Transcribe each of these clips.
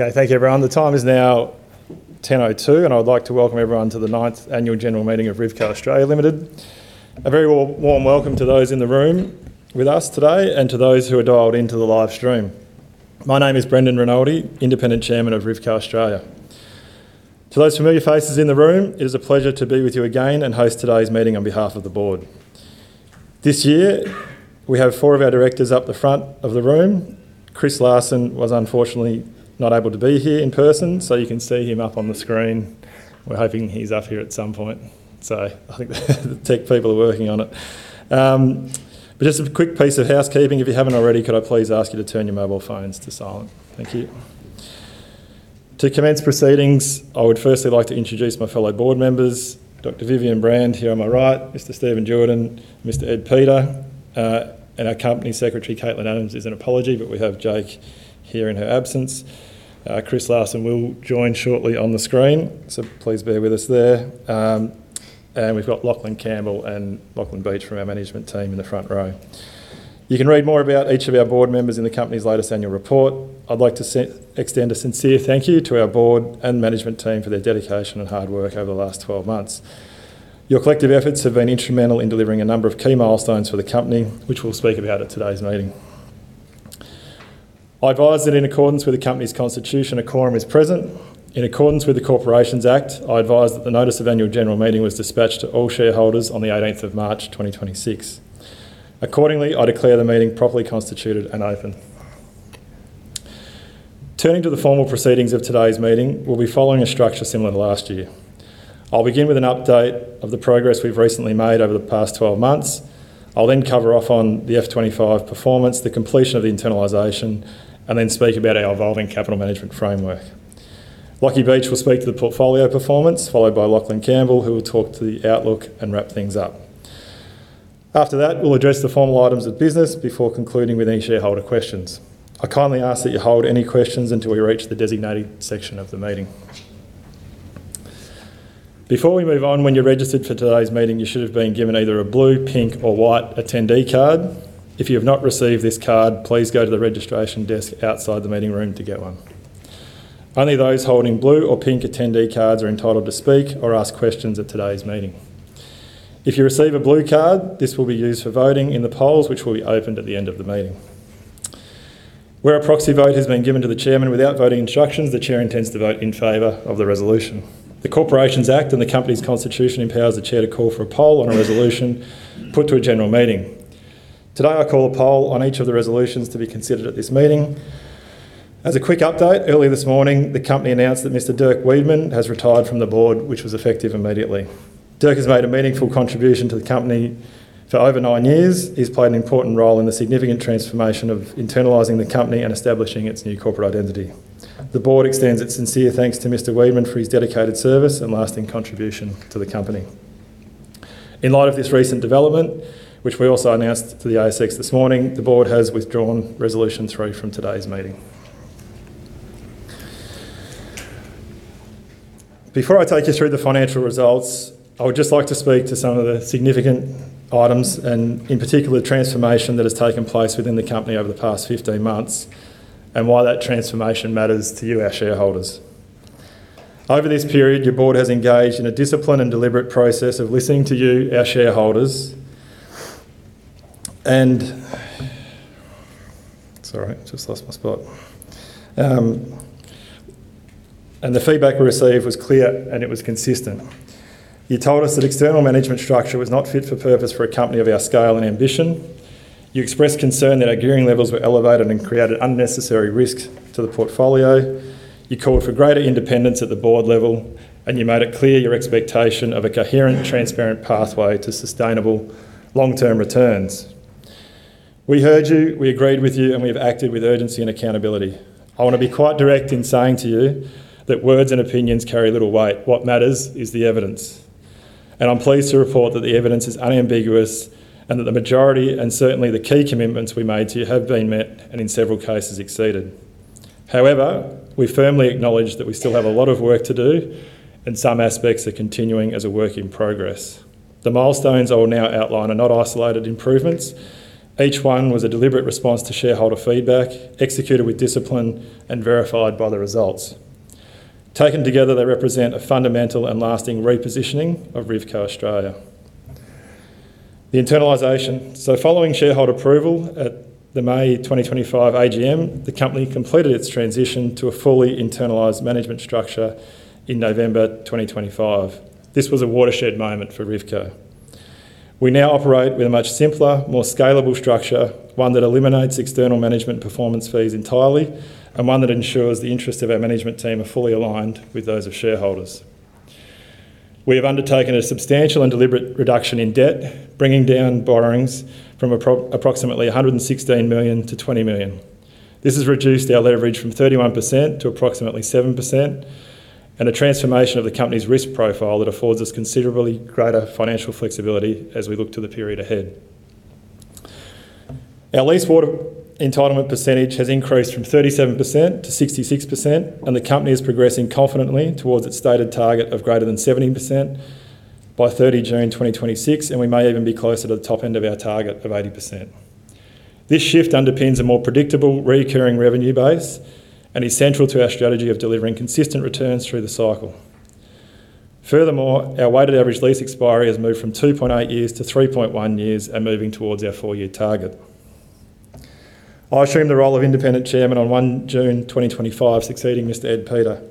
Okay, thank you everyone. The time is now 10:02 A.M., and I would like to welcome everyone to the 9th Annual General Meeting of Rivco Australia Limited. A very warm welcome to those in the room with us today, and to those who are dialed into the live stream. My name is Brendan Rinaldi, Independent Chairman of Rivco Australia. To those familiar faces in the room, it is a pleasure to be with you again and host today's meeting on behalf of the board. This year, we have four of our directors up the front of the room. Chris Larsen was unfortunately not able to be here in person, so you can see him up on the screen. We're hoping he's up here at some point. So I think the tech people are working on it. Just a quick piece of housekeeping. If you haven't already, could I please ask you to turn your mobile phones to silent? Thank you. To commence proceedings, I would firstly like to introduce my fellow board members, Dr. Vivienne Brand, here on my right, Mr. Stephen Duerden, Mr. Ed Peter, and our company secretary, Katelyn Adams, is on apologies, but we have Jake here in her absence. Chris Larsen will join shortly on the screen, so please bear with us there. We've got Lachlan Campbell and Lachlan Beech from our management team in the front row. You can read more about each of our board members in the company's latest annual report. I'd like to extend a sincere thank you to our board and management team for their dedication and hard work over the last 12 months. Your collective efforts have been instrumental in delivering a number of key milestones for the company, which we'll speak about at today's meeting. I advise that in accordance with the company's constitution, a quorum is present. In accordance with the Corporations Act, I advise that the notice of annual general meeting was dispatched to all shareholders on the 18th of March 2026. Accordingly, I declare the meeting properly constituted and open. Turning to the formal proceedings of today's meeting, we'll be following a structure similar to last year. I'll begin with an update of the progress we've recently made over the past 12 months. I'll then cover off on the FY 2025 performance, the completion of the internalization, and then speak about our evolving capital management framework. Lachie Beech will speak to the portfolio performance, followed by Lachlan Campbell, who will talk to the outlook and wrap things up. After that, we'll address the formal items of business before concluding with any shareholder questions. I kindly ask that you hold any questions until we reach the designated section of the meeting. Before we move on, when you registered for today's meeting, you should have been given either a blue, pink or white attendee card. If you have not received this card, please go to the registration desk outside the meeting room to get one. Only those holding blue or pink attendee cards are entitled to speak or ask questions at today's meeting. If you receive a blue card, this will be used for voting in the polls, which will be opened at the end of the meeting. Where a proxy vote has been given to the Chairman without voting instructions, the Chair intends to vote in favor of the resolution. The Corporations Act and the company's constitution empowers the chair to call for a poll on a resolution put to a general meeting. Today, I call a poll on each of the resolutions to be considered at this meeting. As a quick update, early this morning, the company announced that Mr. Dirk Wiedmann has retired from the board, which was effective immediately. Dirk has made a meaningful contribution to the company for over nine years. He's played an important role in the significant transformation of internalizing the company and establishing its new corporate identity. The board extends its sincere thanks to Mr. Wiedmann for his dedicated service and lasting contribution to the company. In light of this recent development, which we also announced to the ASX this morning, the board has withdrawn resolution three from today's meeting. Before I take you through the financial results, I would just like to speak to some of the significant items, and in particular, the transformation that has taken place within the company over the past 15 months, and why that transformation matters to you, our shareholders. Over this period, your board has engaged in a disciplined and deliberate process of listening to you, our shareholders. The feedback we received was clear, and it was consistent. You told us that external management structure was not fit for purpose for a company of our scale and ambition. You expressed concern that our gearing levels were elevated and created unnecessary risk to the portfolio. You called for greater independence at the board level, and you made it clear your expectation of a coherent, transparent pathway to sustainable long-term returns. We heard you, we agreed with you, and we have acted with urgency and accountability. I want to be quite direct in saying to you that words and opinions carry little weight. What matters is the evidence, and I'm pleased to report that the evidence is unambiguous, and that the majority, and certainly the key commitments we made to you, have been met and in several cases exceeded. However, we firmly acknowledge that we still have a lot of work to do, and some aspects are continuing as a work in progress. The milestones I will now outline are not isolated improvements. Each one was a deliberate response to shareholder feedback, executed with discipline and verified by the results. Taken together, they represent a fundamental and lasting repositioning of Rivco Australia. The internalization. Following shareholder approval at the May 2025 AGM, the company completed its transition to a fully internalized management structure in November 2025. This was a watershed moment for Rivco. We now operate with a much simpler, more scalable structure, one that eliminates external management performance fees entirely, and one that ensures the interests of our management team are fully aligned with those of shareholders. We have undertaken a substantial and deliberate reduction in debt, bringing down borrowings from approximately 116 million to 20 million. This has reduced our leverage from 31% to approximately 7%, and a transformation of the company's risk profile that affords us considerably greater financial flexibility as we look to the period ahead. Our lease water entitlement percentage has increased from 37% to 66%, and the company is progressing confidently towards its stated target of greater than 70% by 30 June 2026, and we may even be closer to the top end of our target of 80%. This shift underpins a more predictable recurring revenue base and is central to our strategy of delivering consistent returns through the cycle. Furthermore, our weighted average lease expiry has moved from 2.8 years to 3.1 years and moving towards our four-year target. I assume the role of independent chairman on 1 June 2025, succeeding Mr. Ed Peter.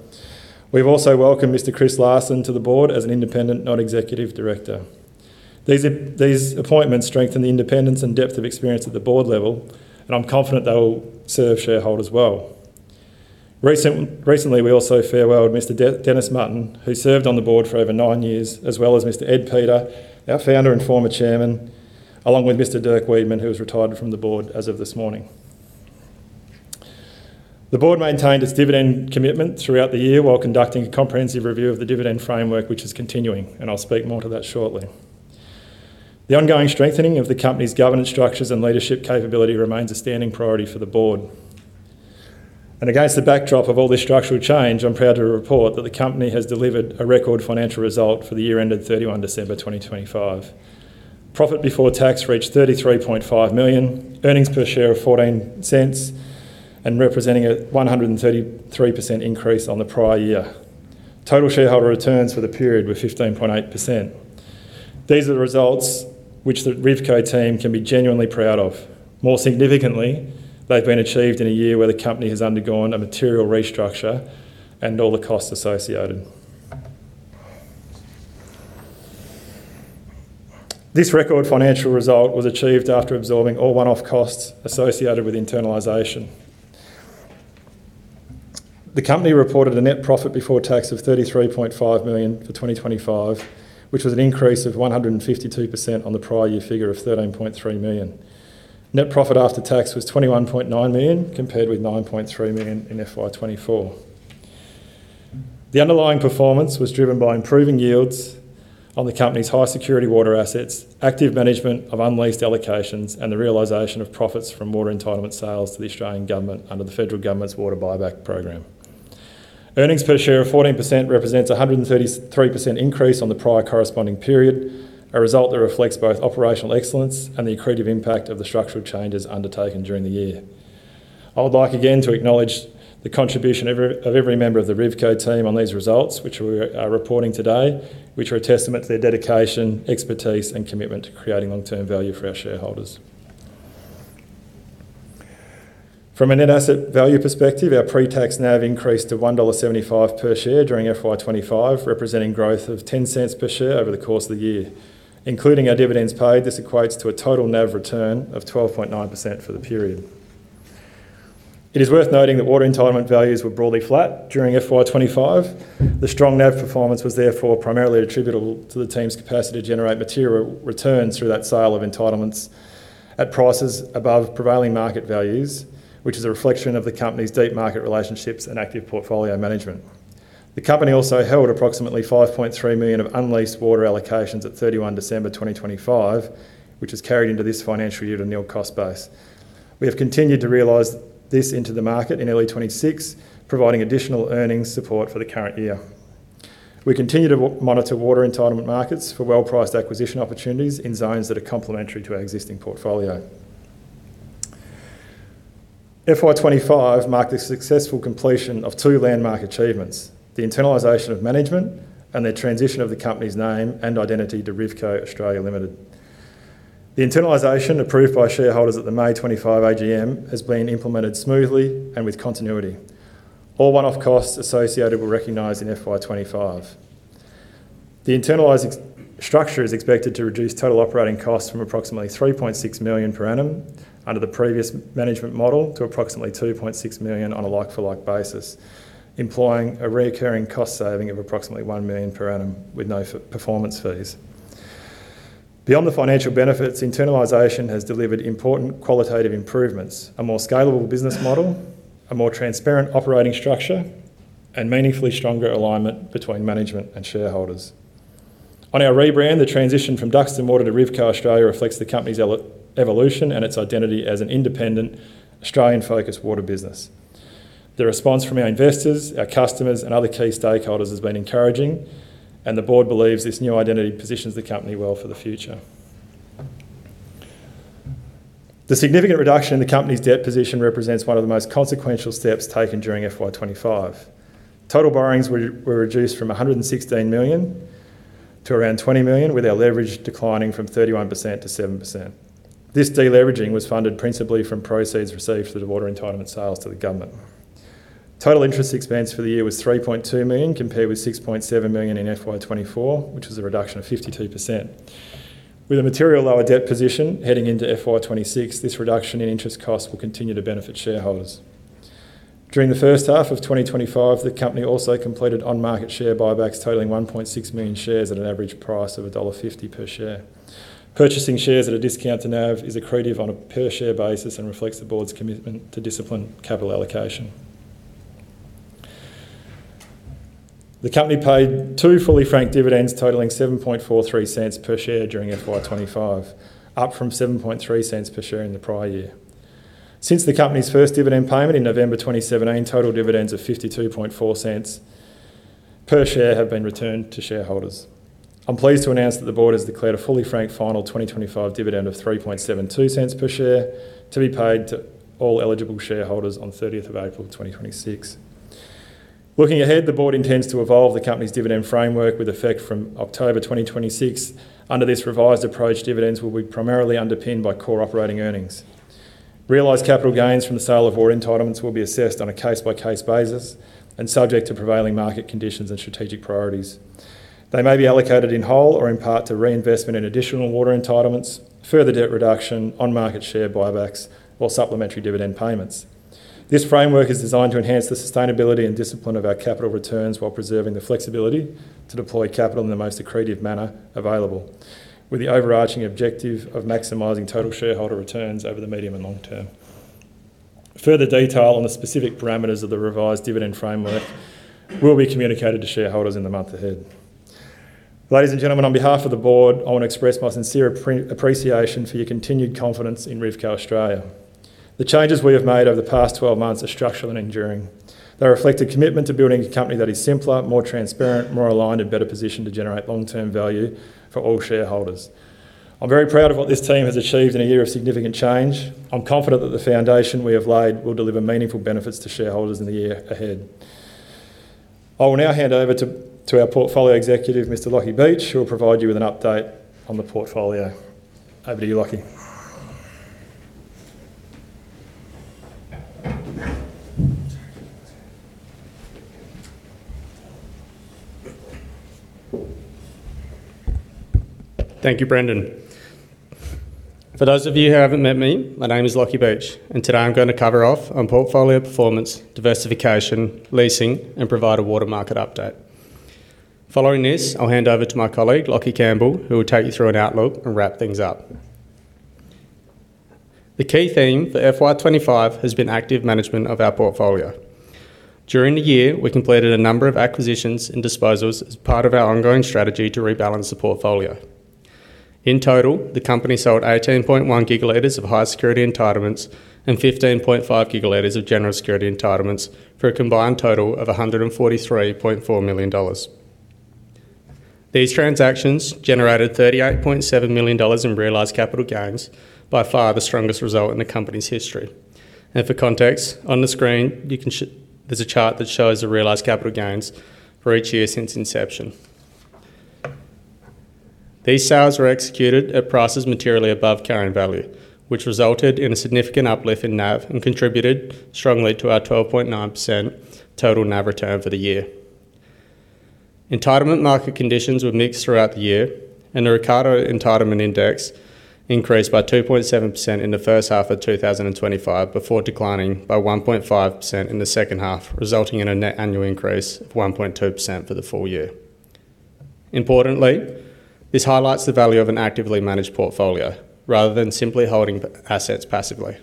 We've also welcomed Mr. Chris Larsen to the board as an independent non-executive director. These appointments strengthen the independence and depth of experience at the board level, and I'm confident they will serve shareholders well. Recently, we also farewelled Mr. Dennis Mutton, who served on the board for over nine years, as well as Mr. Ed Peter, our founder and former chairman, along with Mr. Dirk Wiedmann, who has retired from the board as of this morning. The board maintained its dividend commitment throughout the year while conducting a comprehensive review of the dividend framework, which is continuing, and I'll speak more to that shortly. The ongoing strengthening of the company's governance structures and leadership capability remains a standing priority for the board. Against the backdrop of all this structural change, I'm proud to report that the company has delivered a record financial result for the year ended 31 December 2025. Profit before tax reached 33.5 million, earnings per share of 0.14, and representing a 133% increase on the prior year. Total shareholder returns for the period were 15.8%. These are the results which the Rivco team can be genuinely proud of. More significantly, they've been achieved in a year where the company has undergone a material restructure and all the costs associated. This record financial result was achieved after absorbing all one-off costs associated with internalization. The company reported a net profit before tax of 33.5 million for 2025, which was an increase of 152% on the prior year figure of 13.3 million. Net profit after tax was 21.9 million, compared with 9.3 million in FY 2024. The underlying performance was driven by improving yields on the company's high-security water assets, active management of unleased allocations, and the realization of profits from water entitlement sales to the Australian government under the Federal Government's water buyback program. Earnings per share of 14% represents 133% increase on the prior corresponding period, a result that reflects both operational excellence and the accretive impact of the structural changes undertaken during the year. I would like again to acknowledge the contribution of every member of the Rivco team on these results which we are reporting today, which are a testament to their dedication, expertise, and commitment to creating long-term value for our shareholders. From a net asset value perspective, our pre-tax NAV increased to 1.75 dollar per share during FY 2025, representing growth of 0.10 per share over the course of the year. Including our dividends paid, this equates to a total NAV return of 12.9% for the period. It is worth noting that water entitlement values were broadly flat during FY 2025. The strong NAV performance was therefore primarily attributable to the team's capacity to generate material returns through that sale of entitlements at prices above prevailing market values, which is a reflection of the company's deep market relationships and active portfolio management. The company also held approximately 5.3 million of unleased water allocations at 31 December 2025, which is carried into this financial year at a nil cost base. We have continued to realize this into the market in early 2026, providing additional earnings support for the current year. We continue to monitor water entitlement markets for well-priced acquisition opportunities in zones that are complementary to our existing portfolio. FY 2025 marked the successful completion of two landmark achievements, the internalization of management and the transition of the company's name and identity to Rivco Australia Limited. The internalization, approved by shareholders at the May 25 AGM, has been implemented smoothly and with continuity. All one-off costs associated were recognized in FY 2025. The internalized structure is expected to reduce total operating costs from approximately 3.6 million per annum under the previous management model to approximately 2.6 million on a like-for-like basis, implying a recurring cost saving of approximately 1 million per annum with no performance fees. Beyond the financial benefits, internalization has delivered important qualitative improvements, a more scalable business model, a more transparent operating structure, and meaningfully stronger alignment between management and shareholders. On our rebrand, the transition from Duxton Water to Rivco Australia reflects the company's evolution and its identity as an independent Australian-focused water business. The response from our investors, our customers, and other key stakeholders has been encouraging, and the board believes this new identity positions the company well for the future. The significant reduction in the company's debt position represents one of the most consequential steps taken during FY 2025. Total borrowings were reduced from 116 million to around 20 million, with our leverage declining from 31% to 7%. This deleveraging was funded principally from proceeds received through the water entitlement sales to the government. Total interest expense for the year was 3.2 million, compared with 6.7 million in FY 2024, which was a reduction of 52%. With a material lower debt position heading into FY 2026, this reduction in interest costs will continue to benefit shareholders. During the first half of 2025, the company also completed on-market share buybacks totaling 1.6 million shares at an average price of dollar 1.50 per share. Purchasing shares at a discount to NAV is accretive on a per share basis and reflects the board's commitment to disciplined capital allocation. The company paid two fully franked dividends totaling 0.0743 per share during FY 2025, up from 0.073 per share in the prior year. Since the company's first dividend payment in November 2017, total dividends of 0.524 per share have been returned to shareholders. I'm pleased to announce that the board has declared a fully franked final 2025 dividend of 0.0372 per share to be paid to all eligible shareholders on 30th of April 2026. Looking ahead, the board intends to evolve the company's dividend framework with effect from October 2026. Under this revised approach, dividends will be primarily underpinned by core operating earnings. Realized capital gains from the sale of water entitlements will be assessed on a case-by-case basis and subject to prevailing market conditions and strategic priorities. They may be allocated in whole or in part to reinvestment in additional water entitlements, further debt reduction on market share buybacks, or supplementary dividend payments. This framework is designed to enhance the sustainability and discipline of our capital returns while preserving the flexibility to deploy capital in the most accretive manner available, with the overarching objective of maximizing total shareholder returns over the medium and long term. Further detail on the specific parameters of the revised dividend framework will be communicated to shareholders in the month ahead. Ladies and gentlemen, on behalf of the board, I want to express my sincere appreciation for your continued confidence in Rivco Australia. The changes we have made over the past 12 months are structural and enduring. They reflect a commitment to building a company that is simpler, more transparent, more aligned, and better positioned to generate long-term value for all shareholders. I'm very proud of what this team has achieved in a year of significant change. I'm confident that the foundation we have laid will deliver meaningful benefits to shareholders in the year ahead. I will now hand over to our portfolio executive, Mr. Lachie Beech, who will provide you with an update on the portfolio. Over to you, Lachie. Thank you, Brendan. For those of you who haven't met me, my name is Lachie Beech, and today I'm going to cover off on portfolio performance, diversification, leasing, and provide a water market update. Following this, I'll hand over to my colleague, Lachie Campbell, who will take you through an outlook and wrap things up. The key theme for FY 2025 has been active management of our portfolio. During the year, we completed a number of acquisitions and disposals as part of our ongoing strategy to rebalance the portfolio. In total, the company sold 18.1 GL of high-security entitlements and 15.5 GL of general security entitlements for a combined total of 143.4 million dollars. These transactions generated 38.7 million dollars in realized capital gains, by far the strongest result in the company's history. For context, on the screen, there's a chart that shows the realized capital gains for each year since inception. These sales were executed at prices materially above carrying value, which resulted in a significant uplift in NAV and contributed strongly to our 12.9% total NAV return for the year. Entitlement market conditions were mixed throughout the year, and the Rivco Entitlement Index increased by 2.7% in the first half of 2025 before declining by 1.5% in the second half, resulting in a net annual increase of 1.2% for the full year. Importantly, this highlights the value of an actively managed portfolio rather than simply holding assets passively.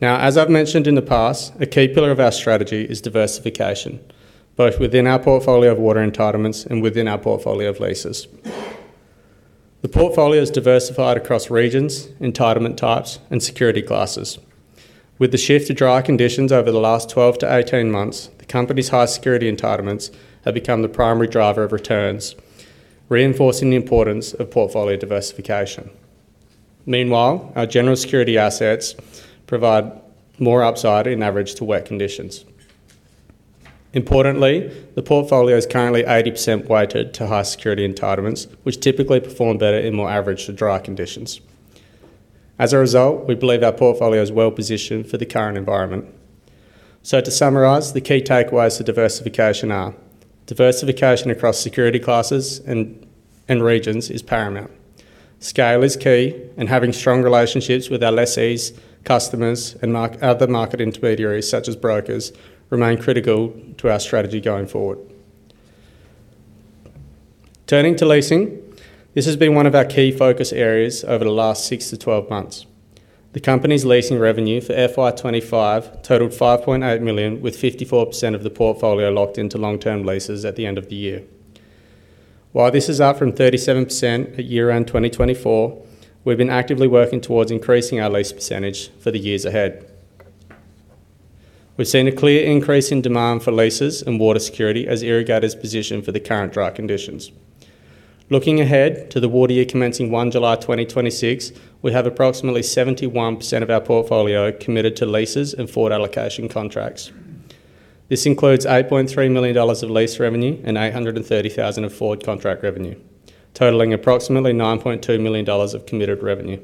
Now, as I've mentioned in the past, a key pillar of our strategy is diversification, both within our portfolio of water entitlements and within our portfolio of leases. The portfolio is diversified across regions, entitlement types, and security classes. With the shift to drier conditions over the last 12-18 months, the company's high-security entitlements have become the primary driver of returns, reinforcing the importance of portfolio diversification. Meanwhile, our general security assets provide more upside in average to wet conditions. Importantly, the portfolio is currently 80% weighted to high security entitlements, which typically perform better in more average to dry conditions. As a result, we believe our portfolio is well-positioned for the current environment. To summarize, the key takeaways to diversification are diversification across security classes and regions is paramount. Scale is key, and having strong relationships with our lessees, customers, and other market intermediaries, such as brokers, remain critical to our strategy going forward. Turning to leasing, this has been one of our key focus areas over the last 6-12 months. The company's leasing revenue for FY 2025 totaled 5.8 million, with 54% of the portfolio locked into long-term leases at the end of the year. While this is up from 37% at year-end 2024, we've been actively working towards increasing our lease percentage for the years ahead. We've seen a clear increase in demand for leases and water security as irrigators position for the current dry conditions. Looking ahead to the water year commencing 1 July 2026, we have approximately 71% of our portfolio committed to leases and forward allocation contracts. This includes 8.3 million dollars of lease revenue and 830,000 of forward contract revenue, totaling approximately 9.2 million dollars of committed revenue.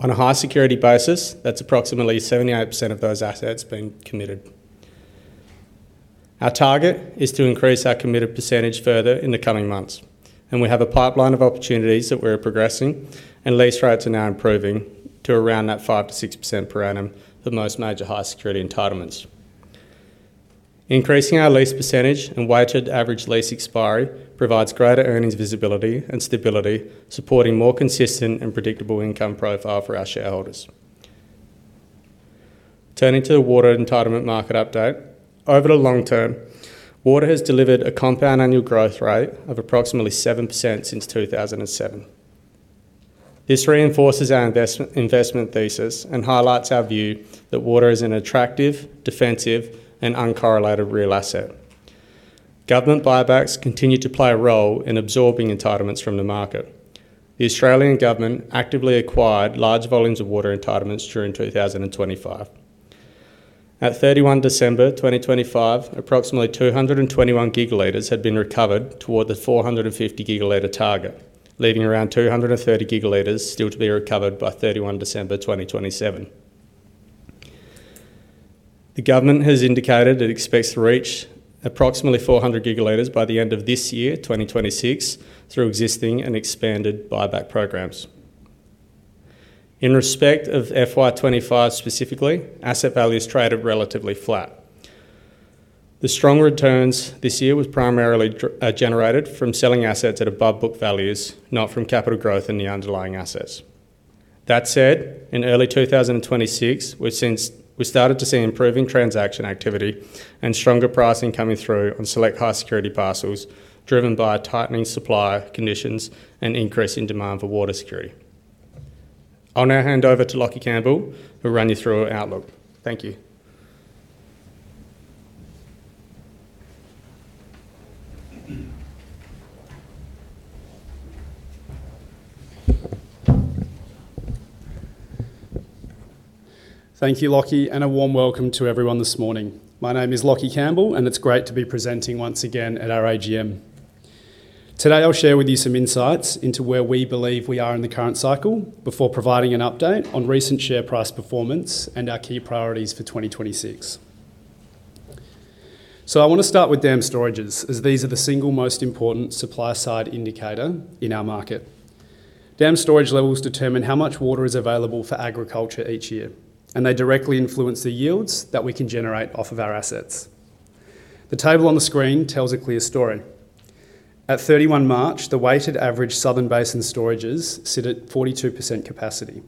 On a high-security basis, that's approximately 78% of those assets being committed. Our target is to increase our committed percentage further in the coming months, and we have a pipeline of opportunities that we're progressing, and lease rates are now improving to around that 5%-6% per annum for most major high-security entitlements. Increasing our lease percentage and weighted average lease expiry provides greater earnings visibility and stability, supporting more consistent and predictable income profile for our shareholders. Turning to the water entitlement market update. Over the long term, water has delivered a compound annual growth rate of approximately 7% since 2007. This reinforces our investment thesis and highlights our view that water is an attractive, defensive, and uncorrelated real asset. Government buybacks continue to play a role in absorbing entitlements from the market. The Australian Government actively acquired large volumes of water entitlements during 2025. At 31 December 2025, approximately 221 GL had been recovered toward the 450 GL target, leaving around 230 GL still to be recovered by 31 December 2027. The government has indicated it expects to reach approximately 400 GL by the end of this year, 2026, through existing and expanded buyback programs. In respect of FY 2025, specifically, asset values traded relatively flat. The strong returns this year were primarily generated from selling assets at above-book values, not from capital growth in the underlying assets. That said, in early 2026, we started to see improving transaction activity and stronger pricing coming through on select high-security parcels, driven by tightening supply conditions and increase in demand for water security. I'll now hand over to Lachie Campbell, who'll run you through our outlook. Thank you. Thank you, Lachie, and a warm welcome to everyone this morning. My name is Lachie Campbell, and it's great to be presenting once again at our AGM. Today, I'll share with you some insights into where we believe we are in the current cycle before providing an update on recent share price performance and our key priorities for 2026. I want to start with dam storages, as these are the single most important supply-side indicator in our market. Dam storage levels determine how much water is available for agriculture each year, and they directly influence the yields that we can generate off of our assets. The table on the screen tells a clear story. At 31 March, the weighted average Southern Basin storages sit at 42% capacity.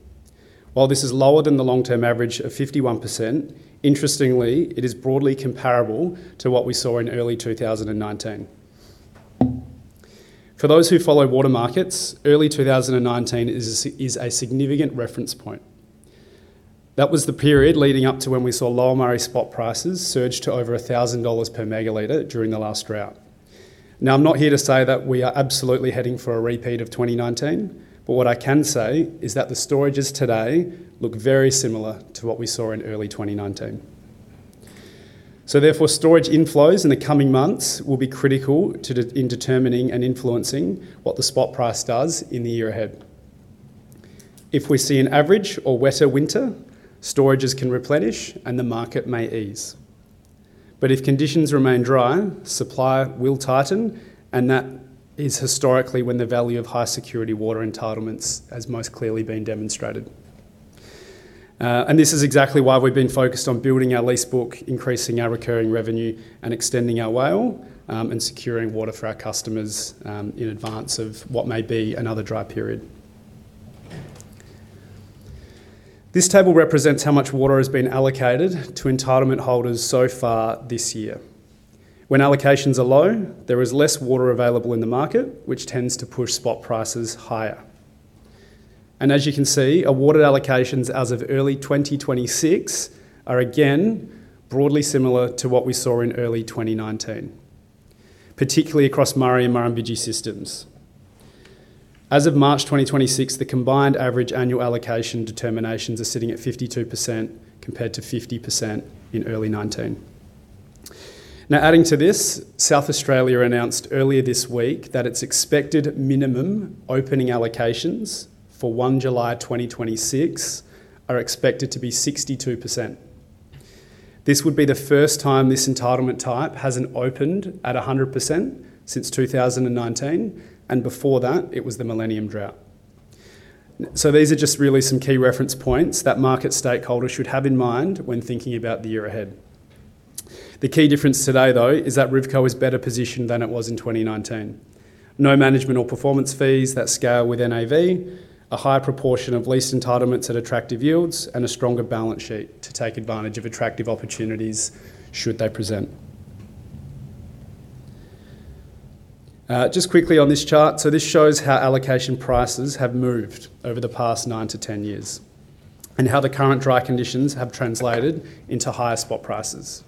While this is lower than the long-term average of 51%, interestingly, it is broadly comparable to what we saw in early 2019. For those who follow water markets, early 2019 is a significant reference point. That was the period leading up to when we saw Lower Murray spot prices surge to over 1,000 dollars per megaliter during the last drought. Now, I'm not here to say that we are absolutely heading for a repeat of 2019, but what I can say is that the storages today look very similar to what we saw in early 2019. Therefore, storage inflows in the coming months will be critical in determining and influencing what the spot price does in the year ahead. If we see an average or wetter winter, storages can replenish and the market may ease. If conditions remain dry, supply will tighten, and that is historically when the value of high-security water entitlements has most clearly been demonstrated. This is exactly why we've been focused on building our lease book, increasing our recurring revenue, and extending our WALE, and securing water for our customers in advance of what may be another dry period. This table represents how much water has been allocated to entitlement holders so far this year. When allocations are low, there is less water available in the market, which tends to push spot prices higher. As you can see, awarded allocations as of early 2026 are again broadly similar to what we saw in early 2019, particularly across Murray and Murrumbidgee systems. As of March 2026, the combined average annual allocation determinations are sitting at 52%, compared to 50% in early 2019. Now, adding to this, South Australia announced earlier this week that its expected minimum opening allocations for 1 July 2026 are expected to be 62%. This would be the first time this entitlement type hasn't opened at 100% since 2019, and before that, it was the millennium drought. These are just really some key reference points that market stakeholders should have in mind when thinking about the year ahead. The key difference today, though, is that Rivco is better positioned than it was in 2019. No management or performance fees that scale with NAV, a higher proportion of leased entitlements at attractive yields, and a stronger balance sheet to take advantage of attractive opportunities should they present. Just quickly on this chart. This shows how allocation prices have moved over the past 9-10 years and how the current dry conditions have translated into higher spot prices.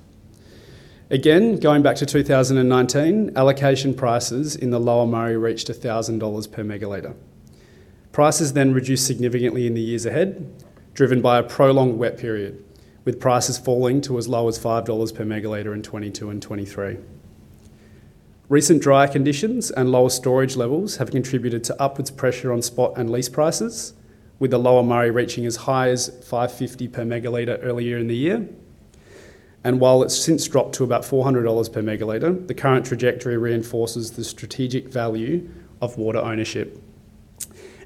Again, going back to 2019, allocation prices in the Lower Murray reached 1,000 dollars per megaliter. Prices then reduced significantly in the years ahead, driven by a prolonged wet period, with prices falling to as low as 5 dollars per megalitre in 2022 and 2023. Recent dry conditions and lower storage levels have contributed to upwards pressure on spot and lease prices, with the Lower Murray reaching as high as 550 per megalitre earlier in the year. While it's since dropped to about 400 dollars per megalitre, the current trajectory reinforces the strategic value of water ownership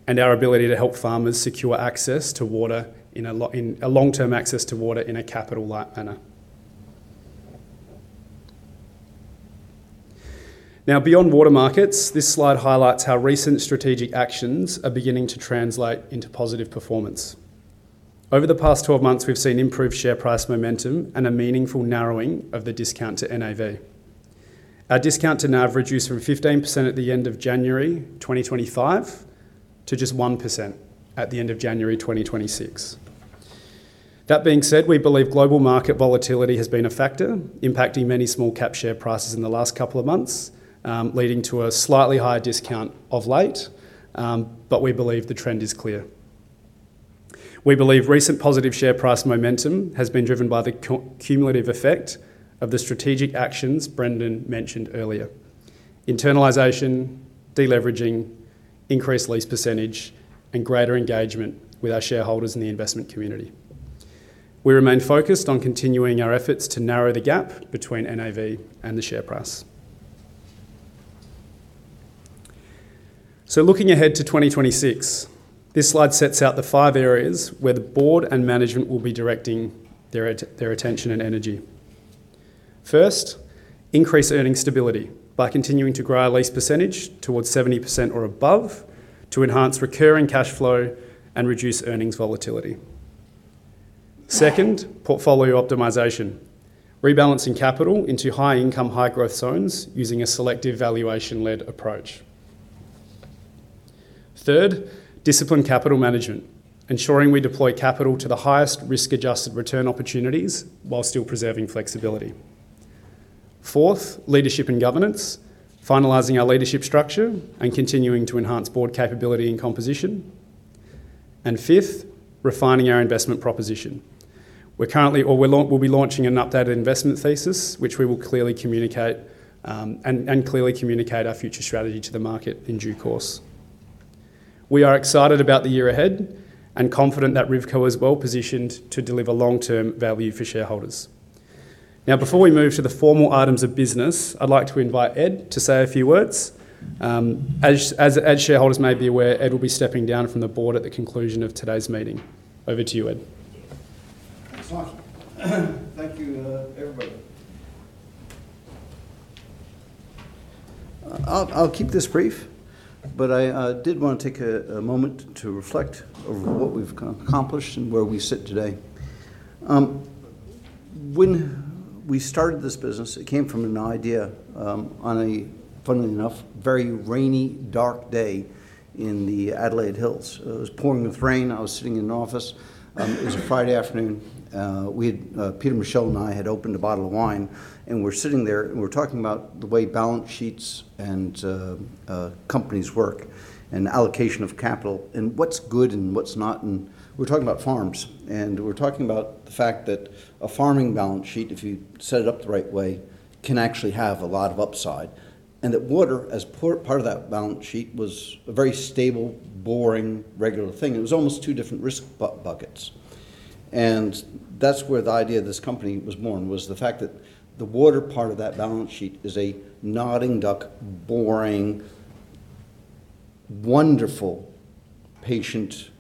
and our ability to help farmers secure long-term access to water in a capital-light manner. Now, beyond water markets, this slide highlights how recent strategic actions are beginning to translate into positive performance. Over the past 12 months, we've seen improved share price momentum and a meaningful narrowing of the discount to NAV. Our discount to NAV reduced from 15% at the end of January 2025 to just 1% at the end of January 2026. That being said, we believe global market volatility has been a factor impacting many small cap share prices in the last couple of months, leading to a slightly higher discount of late, but we believe the trend is clear. We believe recent positive share price momentum has been driven by the cumulative effect of the strategic actions Brendan mentioned earlier, internalization, de-leveraging, increased lease percentage, and greater engagement with our shareholders in the investment community. We remain focused on continuing our efforts to narrow the gap between NAV and the share price. Looking ahead to 2026, this slide sets out the five areas where the board and management will be directing their attention and energy. First, increase earning stability by continuing to grow our lease percentage towards 70% or above to enhance recurring cash flow and reduce earnings volatility. Second, portfolio optimization. Rebalancing capital into high-income, high-growth zones using a selective valuation-led approach. Third, disciplined capital management, ensuring we deploy capital to the highest risk-adjusted return opportunities while still preserving flexibility. Fourth, leadership and governance, finalizing our leadership structure and continuing to enhance board capability and composition. Fifth, refining our investment proposition. We'll be launching an updated investment thesis, which we will clearly communicate, and clearly communicate our future strategy to the market in due course. We are excited about the year ahead and confident that Rivco is well-positioned to deliver long-term value for shareholders. Now, before we move to the formal items of business, I'd like to invite Ed to say a few words. As shareholders may be aware, Ed will be stepping down from the board at the conclusion of today's meeting. Over to you, Ed. Thanks, Martin. Thank you, everybody. I'll keep this brief, but I did want to take a moment to reflect over what we've accomplished and where we sit today. When we started this business, it came from an idea on a, funnily enough, very rainy, dark day in the Adelaide Hills. It was pouring with rain. I was sitting in an office. It was a Friday afternoon. Peter Michell and I had opened a bottle of wine, and we're sitting there, and we're talking about the way balance sheets and companies work and allocation of capital and what's good and what's not. We're talking about farms. We're talking about the fact that a farming balance sheet, if you set it up the right way, can actually have a lot of upside, and that water, as part of that balance sheet, was a very stable, boring, regular thing. It was almost two different risk buckets. That's where the idea of this company was born, was the fact that the water part of that balance sheet is a nodding duck, boring, wonderful, patient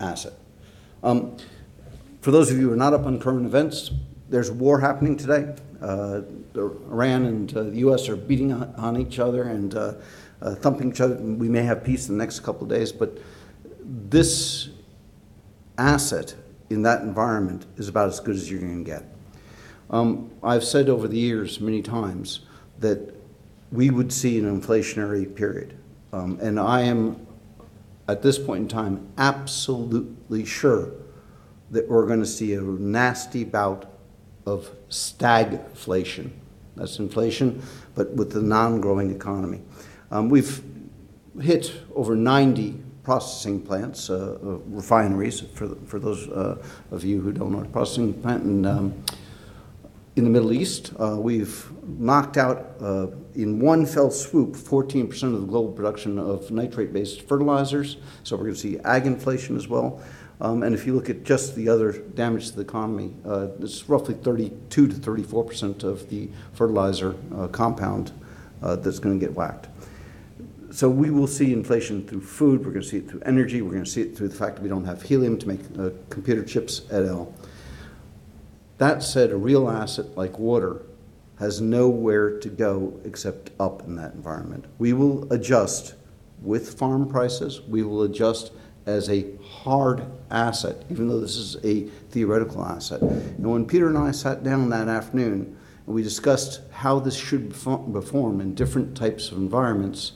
asset. For those of you who are not up on current events, there's a war happening today. Iran and the U.S. are beating on each other and thumping each other. We may have peace in the next couple of days, but this asset in that environment is about as good as you're going to get. I've said over the years many times that we would see an inflationary period. I am, at this point in time, absolutely sure that we're going to see a nasty bout of stagflation. That's inflation, but with a non-growing economy. We've hit over 90 processing plants, refineries, for those of you who don't know, a processing plant in the Middle East. We've knocked out in one fell swoop 14% of the global production of nitrate-based fertilizers. We're going to see ag inflation as well. If you look at just the other damage to the economy, it's roughly 32%-34% of the fertilizer compound that's going to get whacked. We will see inflation through food, we're going to see it through energy, we're going to see it through the fact that we don't have helium to make computer chips, et al. That said, a real asset like water has nowhere to go except up in that environment. We will adjust with farm prices. We will adjust as a hard asset, even though this is a theoretical asset. When Peter and I sat down that afternoon and we discussed how this should perform in different types of environments,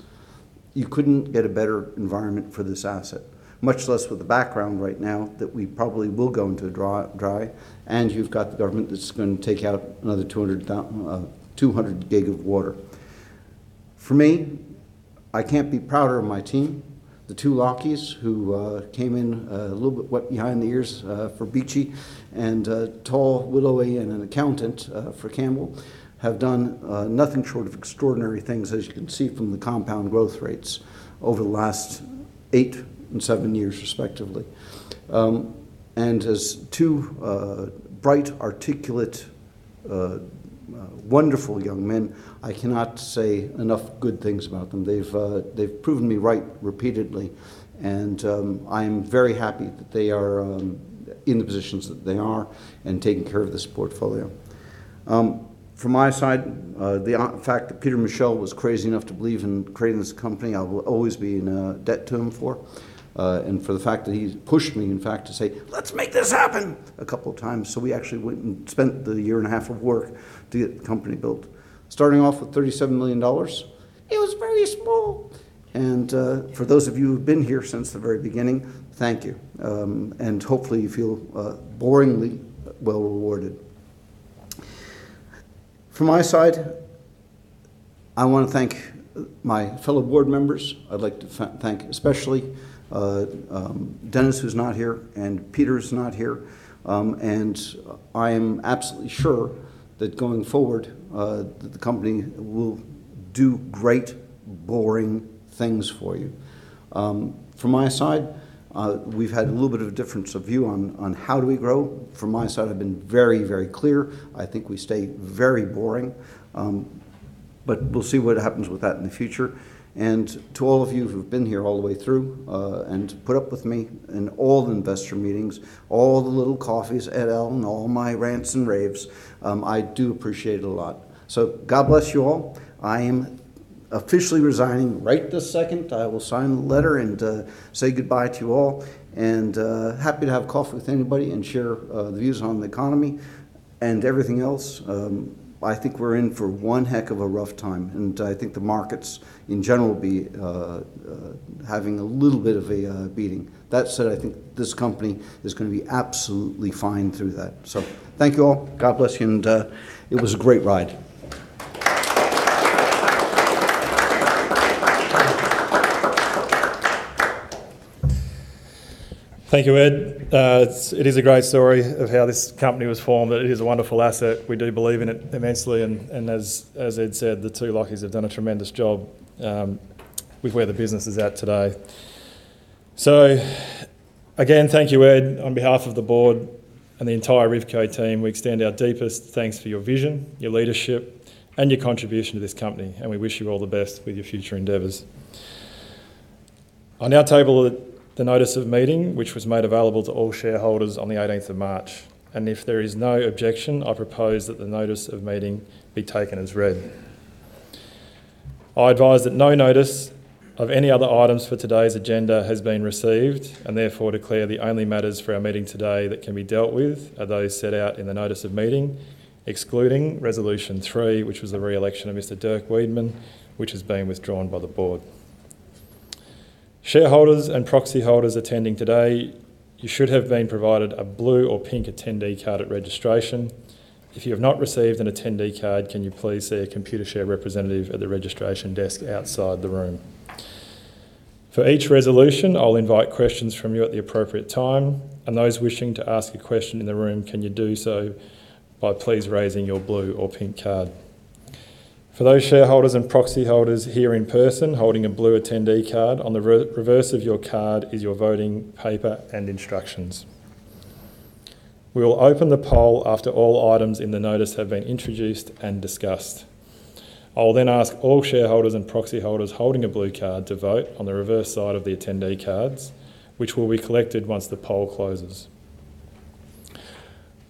you couldn't get a better environment for this asset, much less with the background right now that we probably will go into a dry. You've got the government that's going to take out another 200 gig of water. For me, I can't be prouder of my team. The two Lachies, who came in a little bit wet behind the ears for Beachy and tall, willowy, and an accountant for Campbell, have done nothing short of extraordinary things, as you can see from the compound growth rates over the last eight and seven years, respectively. As two bright, articulate, wonderful young men, I cannot say enough good things about them. They've proven me right repeatedly, and I'm very happy that they are in the positions that they are and taking care of this portfolio. From my side, the fact that Peter Michell was crazy enough to believe in creating this company, I will always be in a debt to him for. For the fact that he's pushed me, in fact, to say, "Let's make this happen," a couple of times, so we actually went and spent the year and a half of work to get the company built. Starting off with 37 million dollars, it was very small, and for those of you who've been here since the very beginning, thank you, and hopefully you feel boringly well rewarded. From my side, I want to thank my fellow board members. I'd like to thank especially Dennis, who's not here, and Peter, who's not here, and I am absolutely sure that going forward, that the company will do great boring things for you. From my side, we've had a little bit of a difference of view on how do we grow. From my side, I've been very, very clear. I think we stay very boring, but we'll see what happens with that in the future. To all of you who've been here all the way through, and put up with me in all the investor meetings, all the little coffees, et al., all my rants and raves, I do appreciate it a lot. God bless you all. I am officially resigning right this second. I will sign the letter and say goodbye to you all. Happy to have coffee with anybody and share the views on the economy and everything else. I think we're in for one heck of a rough time, and I think the markets in general will be having a little bit of a beating. That said, I think this company is going to be absolutely fine through that. Thank you all. God bless you, and it was a great ride. Thank you, Ed. It is a great story of how this company was formed. It is a wonderful asset. We do believe in it immensely, and as Ed said, the two Lachies have done a tremendous job with where the business is at today. Again, thank you, Ed. On behalf of the board and the entire Rivco team, we extend our deepest thanks for your vision, your leadership, and your contribution to this company, and we wish you all the best with your future endeavors. I now table the notice of meeting, which was made available to all shareholders on the 18th of March, and if there is no objection, I propose that the notice of meeting be taken as read. I advise that no notice of any other items for today's agenda has been received, and therefore declare the only matters for our meeting today that can be dealt with are those set out in the notice of meeting, excluding Resolution 3, which was the re-election of Mr. Dirk Wiedmann, which has been withdrawn by the board. Shareholders and proxy holders attending today, you should have been provided a blue or pink attendee card at registration. If you have not received an attendee card, can you please see a Computershare representative at the registration desk outside the room. For each resolution, I'll invite questions from you at the appropriate time, and those wishing to ask a question in the room, can you do so by please raising your blue or pink card. For those shareholders and proxy holders here in person holding a blue attendee card, on the reverse of your card is your voting paper and instructions. We will open the poll after all items in the notice have been introduced and discussed. I will then ask all shareholders and proxy holders holding a blue card to vote on the reverse side of the attendee cards, which will be collected once the poll closes.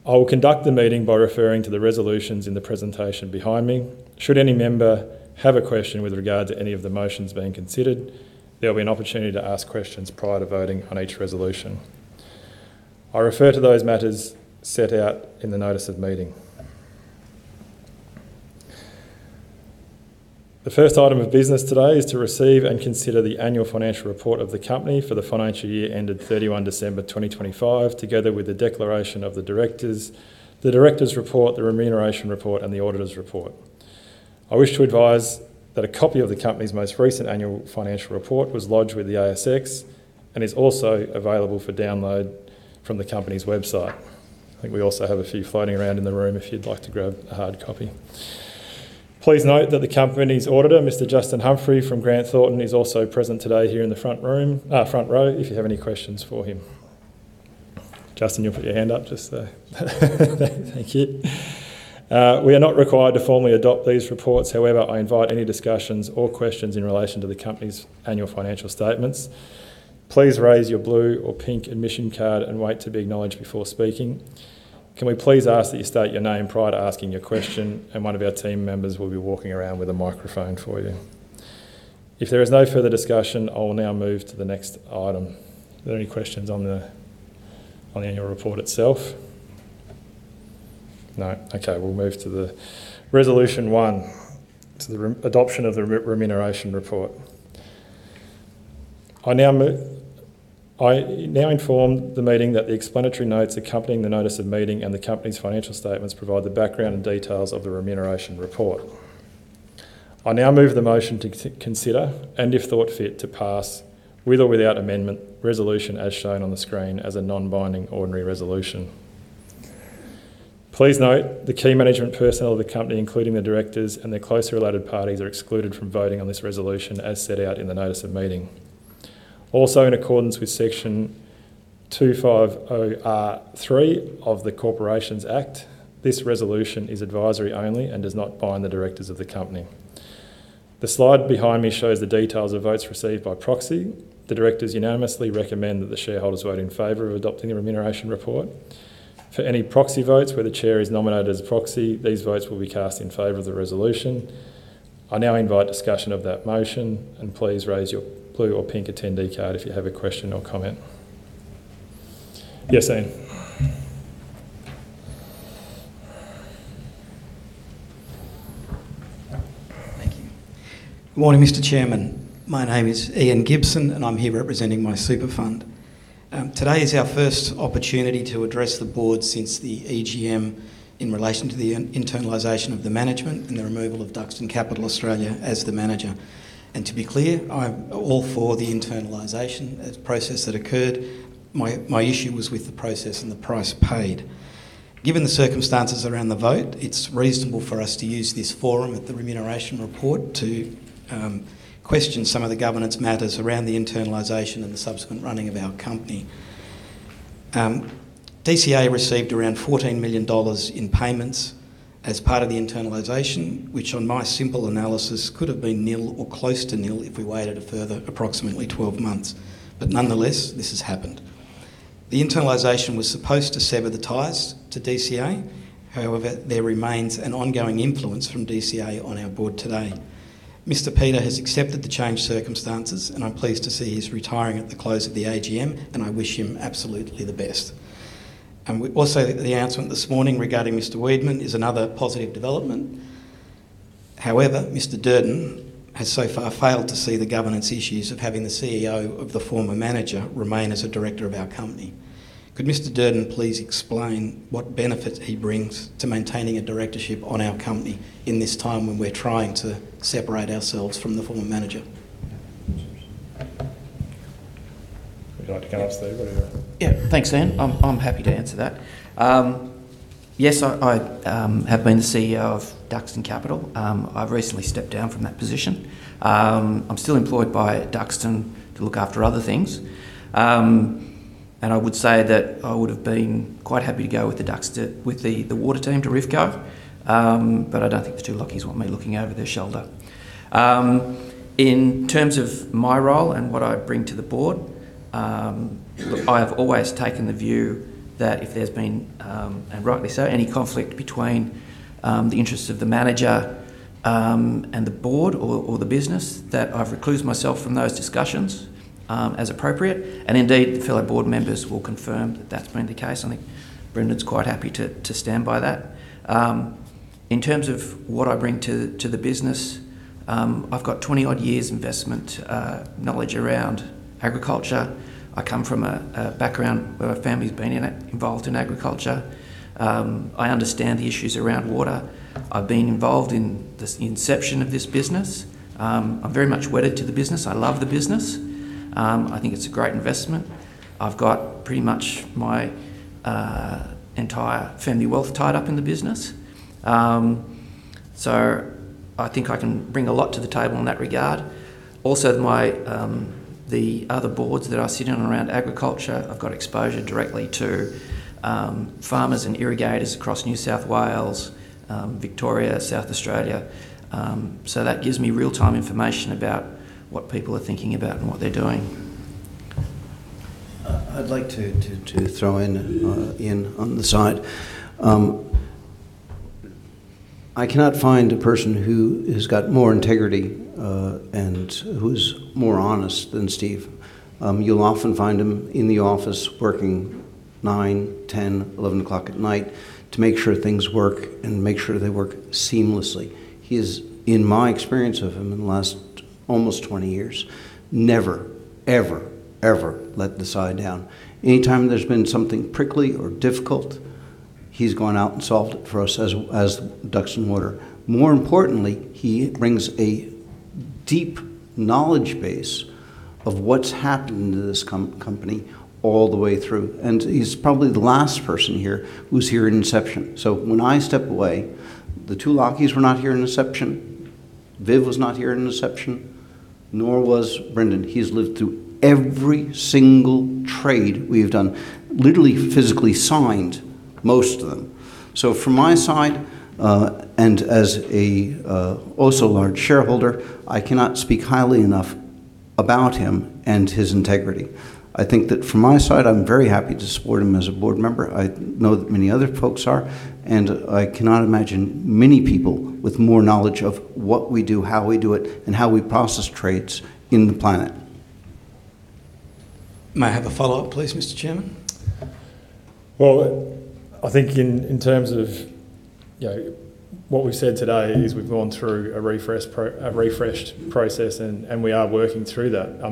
I will conduct the meeting by referring to the resolutions in the presentation behind me. Should any member have a question with regard to any of the motions being considered, there'll be an opportunity to ask questions prior to voting on each resolution. I refer to those matters set out in the notice of meeting. The first item of business today is to receive and consider the annual financial report of the company for the financial year ended 31 December 2025, together with the declaration of the directors, the directors' report, the remuneration report, and the auditors' report. I wish to advise that a copy of the company's most recent annual financial report was lodged with the ASX and is also available for download from the company's website. I think we also have a few floating around in the room if you'd like to grab a hard copy. Please note that the company's auditor, Mr. Justin Humphrey from Grant Thornton, is also present today here in the front row if you have any questions for him. Justin, you'll put your hand up just so thank you. We are not required to formally adopt these reports. However, I invite any discussions or questions in relation to the company's annual financial statements. Please raise your blue or pink admission card and wait to be acknowledged before speaking. Can we please ask that you state your name prior to asking your question, and one of our team members will be walking around with a microphone for you. If there is no further discussion, I will now move to the next item. Are there any questions on the annual report itself? No. Okay. We'll move to the Resolution 1, to the adoption of the remuneration report. I now inform the meeting that the explanatory notes accompanying the notice of meeting and the company's financial statements provide the background and details of the remuneration report. I now move the motion to consider, and if thought fit to pass, with or without amendment, resolution as shown on the screen as a non-binding ordinary resolution. Please note, the key management personnel of the company, including the directors and their closely related parties, are excluded from voting on this resolution as set out in the notice of meeting. Also in accordance with Section 250R of the Corporations Act, this resolution is advisory only and does not bind the directors of the company. The slide behind me shows the details of votes received by proxy. The directors unanimously recommend that the shareholders vote in favor of adopting the remuneration report. For any proxy votes where the chair is nominated as proxy, these votes will be cast in favor of the resolution. I now invite discussion of that motion, and please raise your blue or pink attendee card if you have a question or comment. Yes, Ian. Thank you. Good morning, Mr. Chairman. My name is Ian Gibson, and I'm here representing my super fund. Today is our first opportunity to address the board since the AGM in relation to the internalization of the management and the removal of Duxton Capital Australia as the manager. To be clear, I'm all for the internalization process that occurred. My issue was with the process and the price paid. Given the circumstances around the vote, it's reasonable for us to use this forum at the remuneration report to question some of the governance matters around the internalization and the subsequent running of our company. DCA received around 14 million dollars in payments as part of the internalization, which on my simple analysis, could have been nil or close to nil if we waited a further approximately 12 months. Nonetheless, this has happened. The internalization was supposed to sever the ties to DCA. However, there remains an ongoing influence from DCA on our board today. Mr. Peter has accepted the changed circumstances, and I'm pleased to see he's retiring at the close of the AGM, and I wish him absolutely the best. Also, the announcement this morning regarding Mr. Wiedmann is another positive development. However, Mr. Duerden has so far failed to see the governance issues of having the CEO of the former manager remain as a director of our company. Could Mr. Duerden please explain what benefits he brings to maintaining a directorship on our company in this time when we're trying to separate ourselves from the former manager? Would you like to come up, Steve? Yeah. Thanks, Ian. I'm happy to answer that. Yes, I have been the CEO of Duxton Capital. I've recently stepped down from that position. I'm still employed by Duxton to look after other things. I would say that I would've been quite happy to go with the water team to Rivco, but I don't think the two Lachies want me looking over their shoulder. In terms of my role and what I bring to the board, I have always taken the view that if there's been, and rightly so, any conflict between the interests of the manager, and the board or the business, that I've recused myself from those discussions, as appropriate. Indeed, the fellow board members will confirm that that's been the case. I think Brendan's quite happy to stand by that. In terms of what I bring to the business, I've got 20-odd years investment knowledge around agriculture. I come from a background where my family's been involved in agriculture. I understand the issues around water. I've been involved in the inception of this business. I'm very much wedded to the business. I love the business. I think it's a great investment. I've got pretty much my entire family wealth tied up in the business. I think I can bring a lot to the table in that regard. Also, the other boards that I sit on around agriculture, I've got exposure directly to farmers and irrigators across New South Wales, Victoria, South Australia. That gives me real-time information about what people are thinking about and what they're doing. I'd like to throw in on the side. I cannot find a person who has got more integrity, and who's more honest than Steve. You'll often find him in the office working 9:00 P.M., 10:00 P.M., 11:00 P.M. to make sure things work and make sure they work seamlessly. He has, in my experience of him in the last almost 20 years, never, ever let the side down. Anytime there's been something prickly or difficult, he's gone out and solved it for us as Duxton Water. More importantly, he brings a deep knowledge base of what's happened to this company all the way through, and he's probably the last person here who's here at inception. When I step away, the two Lachies were not here at inception. Viv was not here at inception, nor was Brendan. He's lived through every single trade we have done, literally physically signed most of them. From my side, and also as a large shareholder, I cannot speak highly enough about him and his integrity. I think that from my side, I'm very happy to support him as a board member. I know that many other folks are, and I cannot imagine many people with more knowledge of what we do, how we do it, and how we process trades on the planet. May I have a follow-up, please, Mr. Chairman? Well, I think in terms of what we've said today is we've gone through a refreshed process, and we are working through that.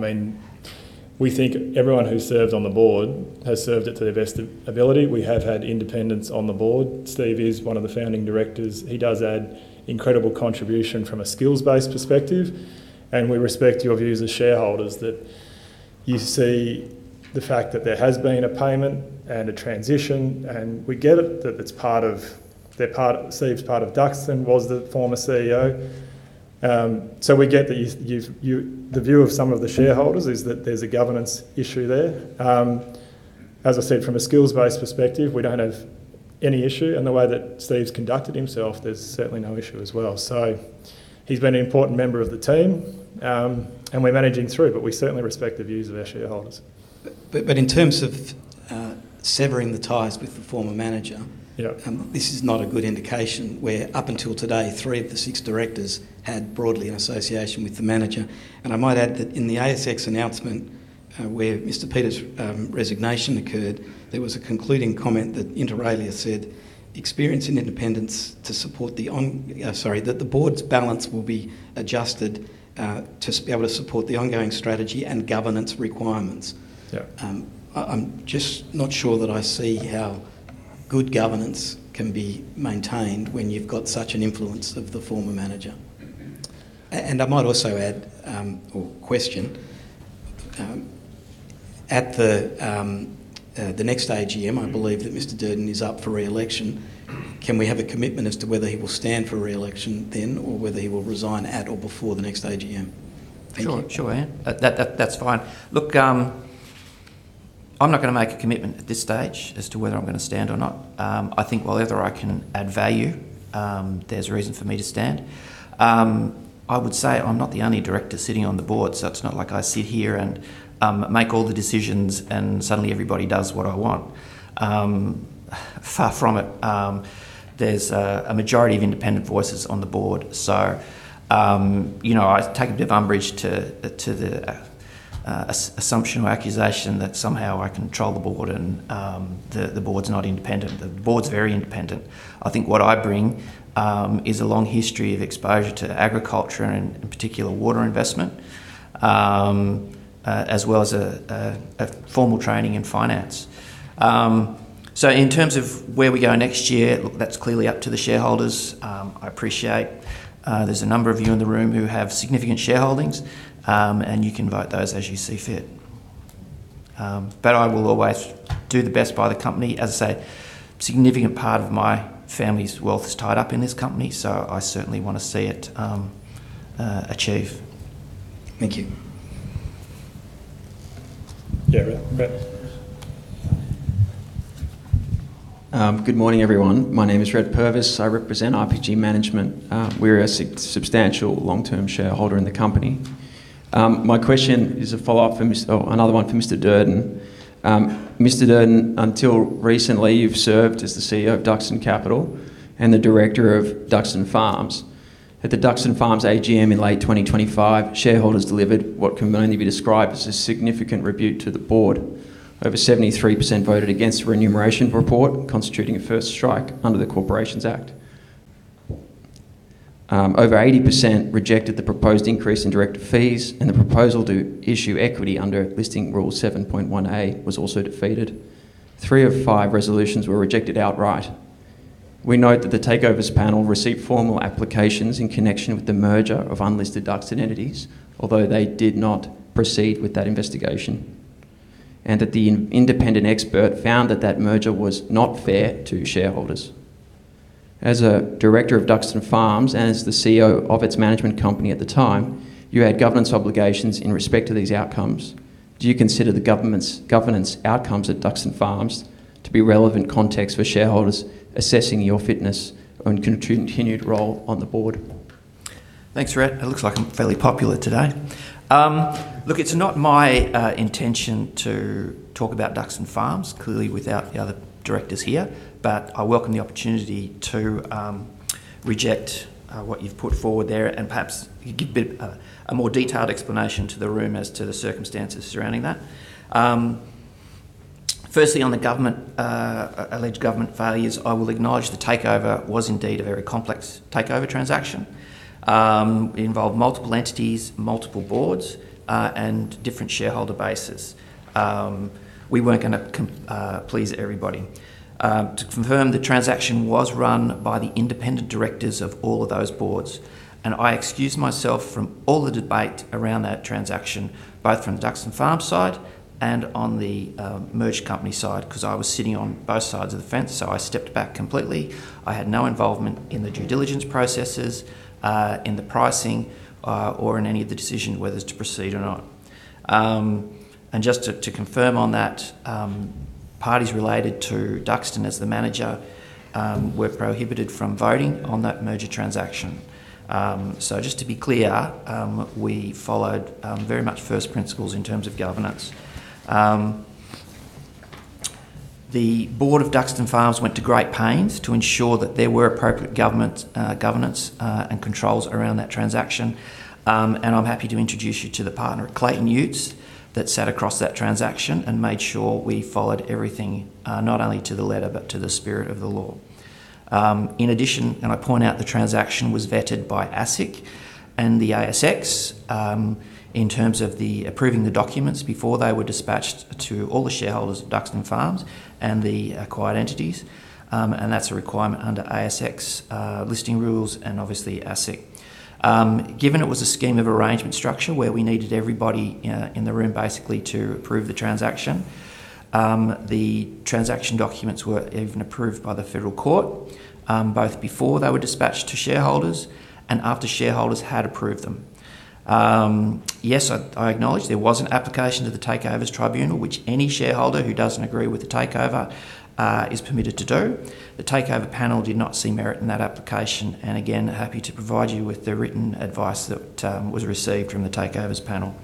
We think everyone who serves on the board has served it to their best ability. We have had independence on the board. Steve is one of the founding directors. He does add incredible contribution from a skills-based perspective, and we respect your views as shareholders that you see the fact that there has been a payment and a transition, and we get it, that Steve's part of Duxton, was the former CEO. We get the view of some of the shareholders is that there's a governance issue there. As I said, from a skills-based perspective, we don't have any issue, and the way that Steve's conducted himself, there's certainly no issue as well. He's been an important member of the team, and we're managing through, but we certainly respect the views of our shareholders. In terms of severing the ties with the former manager. Yeah This is not a good indication, where up until today, three of the six directors had broadly an association with the manager. I might add that in the ASX announcement where Mr. Peter’s resignation occurred, there was a concluding comment that inter alia said, “That the board’s balance will be adjusted, to be able to support the ongoing strategy and governance requirements.” Yeah. I'm just not sure that I see how good governance can be maintained when you've got such an influence of the former manager. I might also add, or question, at the next AGM, I believe that Mr. Duerden is up for re-election. Can we have a commitment as to whether he will stand for re-election then or whether he will resign at or before the next AGM? Thank you. Sure. Sure, Ian. That's fine. Look, I'm not going to make a commitment at this stage as to whether I'm going to stand or not. I think while ever I can add value, there's a reason for me to stand. I would say I'm not the only director sitting on the board, so it's not like I sit here and make all the decisions and suddenly everybody does what I want. Far from it. There's a majority of independent voices on the board. I take a bit of umbrage to the assumption or accusation that somehow I control the board and the board's not independent. The board's very independent. I think what I bring is a long history of exposure to agriculture and in particular water investment, as well as formal training in finance. In terms of where we go next year, look, that's clearly up to the shareholders. I appreciate there's a number of you in the room who have significant shareholdings, and you can vote those as you see fit. I will always do the best by the company. As I say, a significant part of my family's wealth is tied up in this company, so I certainly want to see it achieve. Thank you. Yeah, Rhett. Good morning, everyone. My name is Rhett Purvis. I represent RPG Management. We're a substantial long-term shareholder in the company. My question is another one for Mr. Duerden. Mr. Duerden, until recently, you've served as the CEO of Duxton Capital and the director of Duxton Farms. At the Duxton Farms AGM in late 2025, shareholders delivered what can only be described as a significant rebuke to the board. Over 73% voted against the remuneration report, constituting a first strike under the Corporations Act. Over 80% rejected the proposed increase in director fees, and the proposal to issue equity under Listing Rule 7.1A was also defeated. Three of five resolutions were rejected outright. We note that the Takeovers Panel received formal applications in connection with the merger of unlisted Duxton entities, although they did not proceed with that investigation, and that the independent expert found that that merger was not fair to shareholders. As a director of Duxton Farms and as the CEO of its management company at the time, you had governance obligations in respect to these outcomes. Do you consider the governance outcomes at Duxton Farms to be relevant context for shareholders assessing your fitness and continued role on the board? Thanks, Rhett. It looks like I'm fairly popular today. Look, it's not my intention to talk about Duxton Farms clearly without the other directors here, but I welcome the opportunity to reject what you've put forward there and perhaps give a more detailed explanation to the room as to the circumstances surrounding that. Firstly, on the alleged government failures, I will acknowledge the takeover was indeed a very complex takeover transaction. It involved multiple entities, multiple boards, and different shareholder bases. We weren't going to please everybody. To confirm, the transaction was run by the independent directors of all of those boards, and I excused myself from all the debate around that transaction, both from Duxton Farms side and on the merged company side, because I was sitting on both sides of the fence. I stepped back completely. I had no involvement in the due diligence processes, in the pricing, or in any of the decision whether to proceed or not. Just to confirm on that, parties related to Duxton as the manager were prohibited from voting on that merger transaction. Just to be clear, we followed very much first principles in terms of governance. The board of Duxton Farms went to great pains to ensure that there were appropriate governance and controls around that transaction, and I'm happy to introduce you to the partner at Clayton Utz that sat across that transaction and made sure we followed everything, not only to the letter but to the spirit of the law. In addition, I point out the transaction was vetted by ASIC and the ASX, in terms of approving the documents before they were dispatched to all the shareholders of Duxton Farms and the acquired entities, and that's a requirement under ASX Listing Rules and obviously ASIC. Given it was a scheme of arrangement structure where we needed everybody in the room basically to approve the transaction. The transaction documents were even approved by the Federal Court, both before they were dispatched to shareholders and after shareholders had approved them. Yes, I acknowledge there was an application to the Takeovers Panel, which any shareholder who doesn't agree with the takeover is permitted to do. The Takeovers Panel did not see merit in that application, and again, happy to provide you with the written advice that was received from the Takeovers Panel.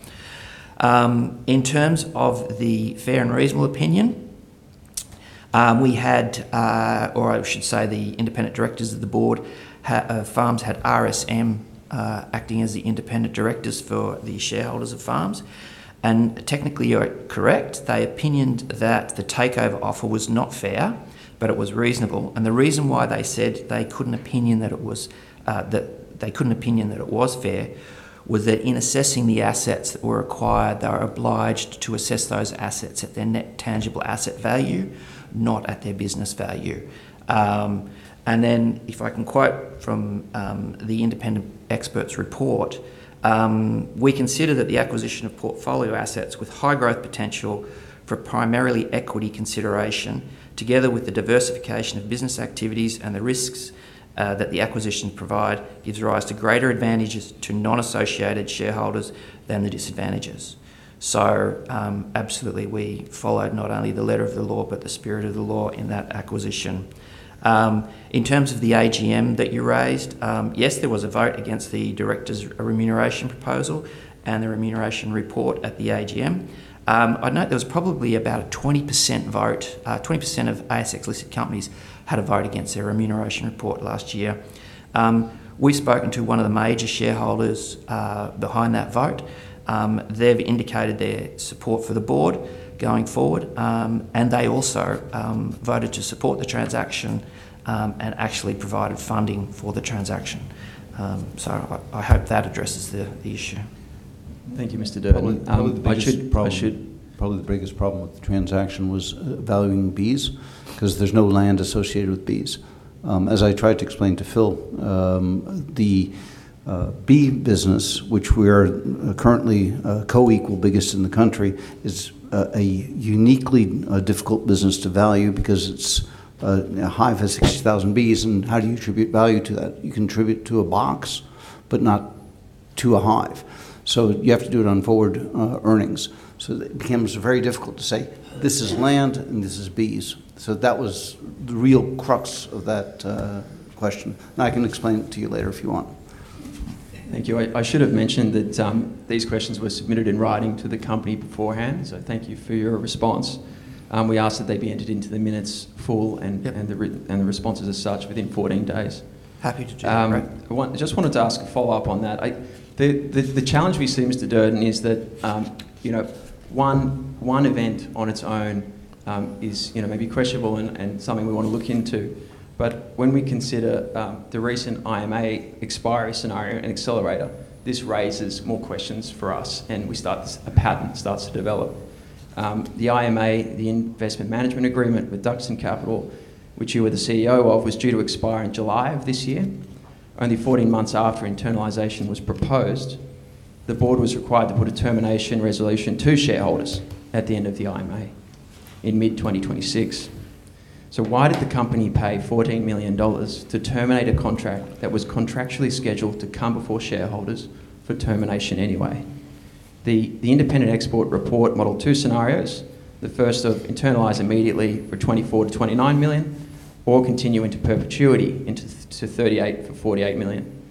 In terms of the fair and reasonable opinion, the independent directors of the board of Farms had RSM acting as the independent directors for the shareholders of Farms. Technically, you're correct, they opined that the takeover offer was not fair, but it was reasonable. The reason why they said they couldn't opine that it was fair was that in assessing the assets that were acquired, they were obliged to assess those assets at their net tangible asset value, not at their business value. If I can quote from the independent expert's report, "We consider that the acquisition of portfolio assets with high growth potential for primarily equity consideration, together with the diversification of business activities and the risks that the acquisitions provide, gives rise to greater advantages to non-associated shareholders than the disadvantages." Absolutely we followed not only the letter of the law, but the spirit of the law in that acquisition. In terms of the AGM that you raised, yes, there was a vote against the directors' remuneration proposal and the remuneration report at the AGM. I note there was probably about a 20% vote. 20% of ASX-listed companies had a vote against their remuneration report last year. We've spoken to one of the major shareholders behind that vote. They've indicated their support for the board going forward, and they also voted to support the transaction and actually provided funding for the transaction. I hope that addresses the issue. Thank you, Mr. Duerden. I should— Probably the biggest problem with the transaction was valuing bees, because there's no land associated with bees. As I tried to explain to Phil, the bee business, which we are currently co-equal biggest in the country, is a uniquely difficult business to value because a hive has 60,000 bees, and how do you attribute value to that? You can attribute to a box, but not to a hive. So you have to do it on forward earnings. So it becomes very difficult to say, "This is land and this is bees." So that was the real crux of that question. I can explain it to you later if you want. Thank you. I should have mentioned that these questions were submitted in writing to the company beforehand, so thank you for your response. We ask that they be entered into the minutes in full and the responses as such within 14 days. Happy to do that. Great. I just wanted to ask a follow-up on that. The challenge we see, Mr. Duerden, is that one event on its own is maybe questionable and something we want to look into. But when we consider the recent IMA expiry scenario and accelerator, this raises more questions for us and a pattern starts to develop. The IMA, the Investment Management Agreement, with Duxton Capital, which you were the CEO of, was due to expire in July of this year, only 14 months after internalization was proposed. The board was required to put a termination resolution to shareholders at the end of the IMA in mid-2026. Why did the company pay 14 million dollars to terminate a contract that was contractually scheduled to come before shareholders for termination anyway? The independent expert report modeled two scenarios, the first of internalize immediately for 24 million-29 million, or continue into perpetuity for 38 million-48 million.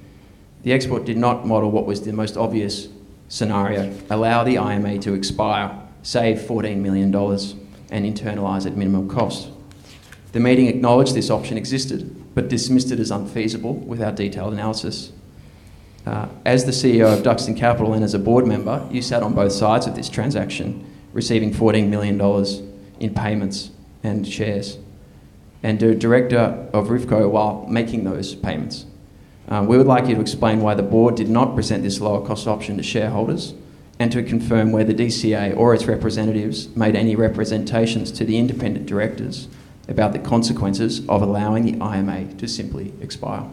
The expert did not model what was the most obvious scenario, allow the IMA to expire, save 14 million dollars, and internalize at minimum cost. The meeting acknowledged this option existed but dismissed it as unfeasible without detailed analysis. As the CEO of Duxton Capital and as a board member, you sat on both sides of this transaction, receiving 14 million dollars in payments and shares, and a director of Rivco while making those payments. We would like you to explain why the board did not present this lower cost option to shareholders and to confirm whether DCA or its representatives made any representations to the independent directors about the consequences of allowing the IMA to simply expire.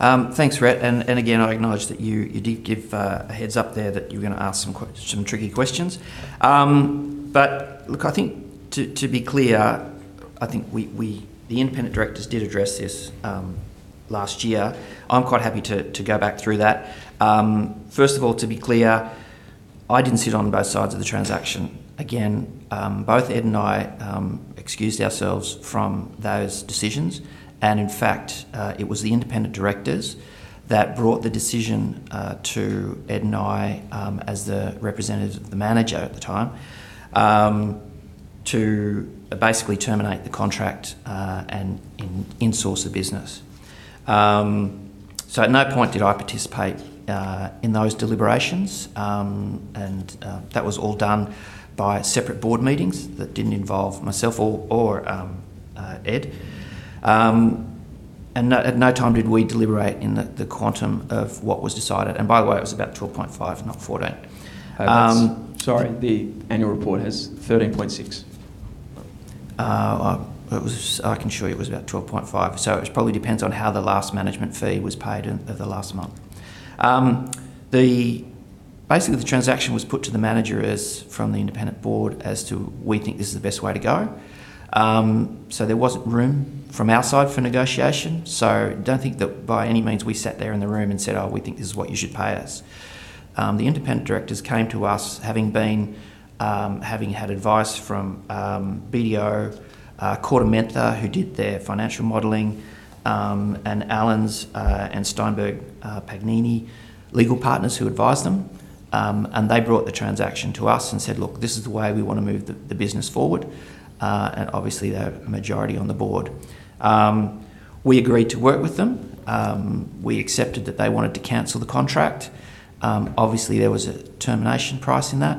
Thanks, Rhett, and again, I acknowledge that you did give a heads up there that you were going to ask some tricky questions. Look, I think to be clear, the independent directors did address this last year. I'm quite happy to go back through that. First of all, to be clear, I didn't sit on both sides of the transaction. Again, both Ed and I excused ourselves from those decisions, and in fact, it was the independent directors that brought the decision to Ed and I as the representatives of the manager at the time, to basically terminate the contract and in-source the business. At no point did I participate in those deliberations, and that was all done by separate board meetings that didn't involve myself or Ed. At no time did we deliberate in the quantum of what was decided. By the way, it was about 12.5, not 14. Sorry, the annual report has 13.6. I can show you it was about 12.5. It probably depends on how the last management fee was paid in the last month. Basically, the transaction was put to the manager from the independent board as to we think this is the best way to go. There wasn't room from our side for negotiation. Don't think that by any means we sat there in the room and said, "Oh, we think this is what you should pay us." The independent directors came to us having had advice from BDO, KordaMentha, who did their financial modeling, and Allens and Steinepreis Paganin legal partners who advised them, and they brought the transaction to us and said, "Look, this is the way we want to move the business forward." Obviously, they're a majority on the board. We agreed to work with them. We accepted that they wanted to cancel the contract. Obviously, there was a termination price in that.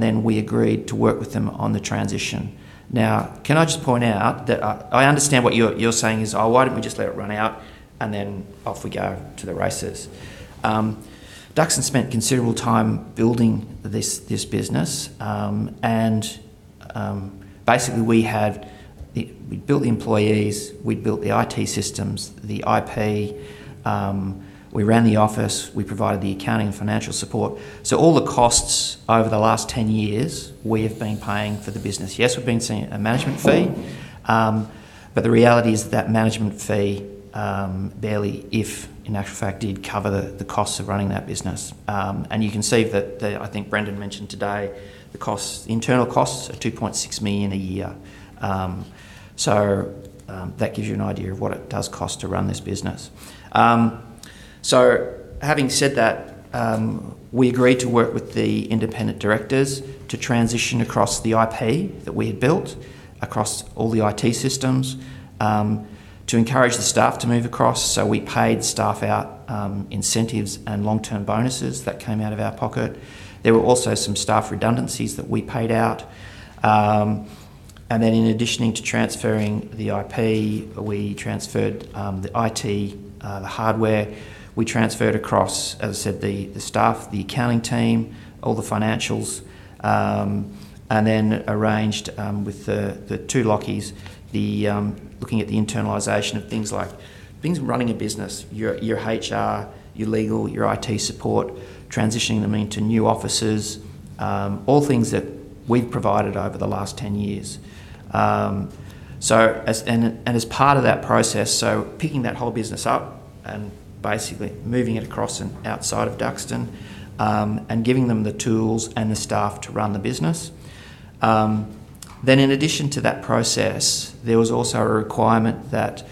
Then we agreed to work with them on the transition. Now, can I just point out that I understand what you're saying is, "Oh, why don't we just let it run out, and then off we go to the races." Duxton spent considerable time building this business, and basically we'd built the employees, we'd built the IT systems, the IP. We ran the office. We provided the accounting and financial support. So all the costs over the last 10 years, we have been paying for the business. Yes, we've been seeing a management fee, but the reality is that management fee barely if, in actual fact, did cover the costs of running that business. You can see that, I think Brendan mentioned today, the internal costs are 2.6 million a year. That gives you an idea of what it does cost to run this business. Having said that, we agreed to work with the independent directors to transition across the IP that we had built, across all the IT systems, to encourage the staff to move across. We paid staff out incentives and long-term bonuses that came out of our pocket. There were also some staff redundancies that we paid out. Then in addition to transferring the IP, we transferred the IT, the hardware. We transferred across, as I said, the staff, the accounting team, all the financials, and then arranged with the two Lachies, looking at the internalization of things like running a business, your HR, your legal, your IT support, transitioning them into new offices. All things that we've provided over the last 10 years. As part of that process, so picking that whole business up and basically moving it across and outside of Duxton, and giving them the tools and the staff to run the business. In addition to that process, there was also a requirement that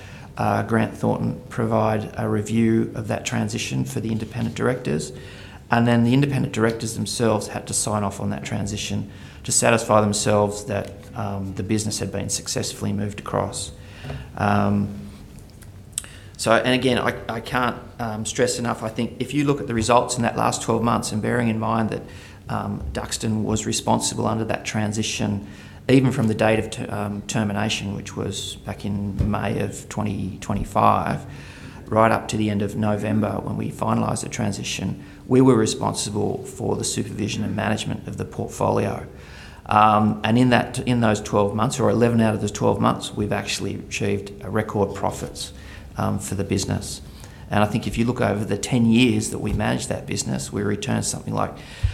Grant Thornton provide a review of that transition for the independent directors, and then the independent directors themselves had to sign off on that transition to satisfy themselves that the business had been successfully moved across. Again, I can't stress enough, I think if you look at the results in that last 12 months, and bearing in mind that Duxton was responsible under that transition, even from the date of termination, which was back in May of 2025, right up to the end of November when we finalized the transition, we were responsible for the supervision and management of the portfolio. In those 12 months or 11 out of those 12 months, we've actually achieved a record profits for the business. I think if you look over the 10 years that we managed that business, we returned something like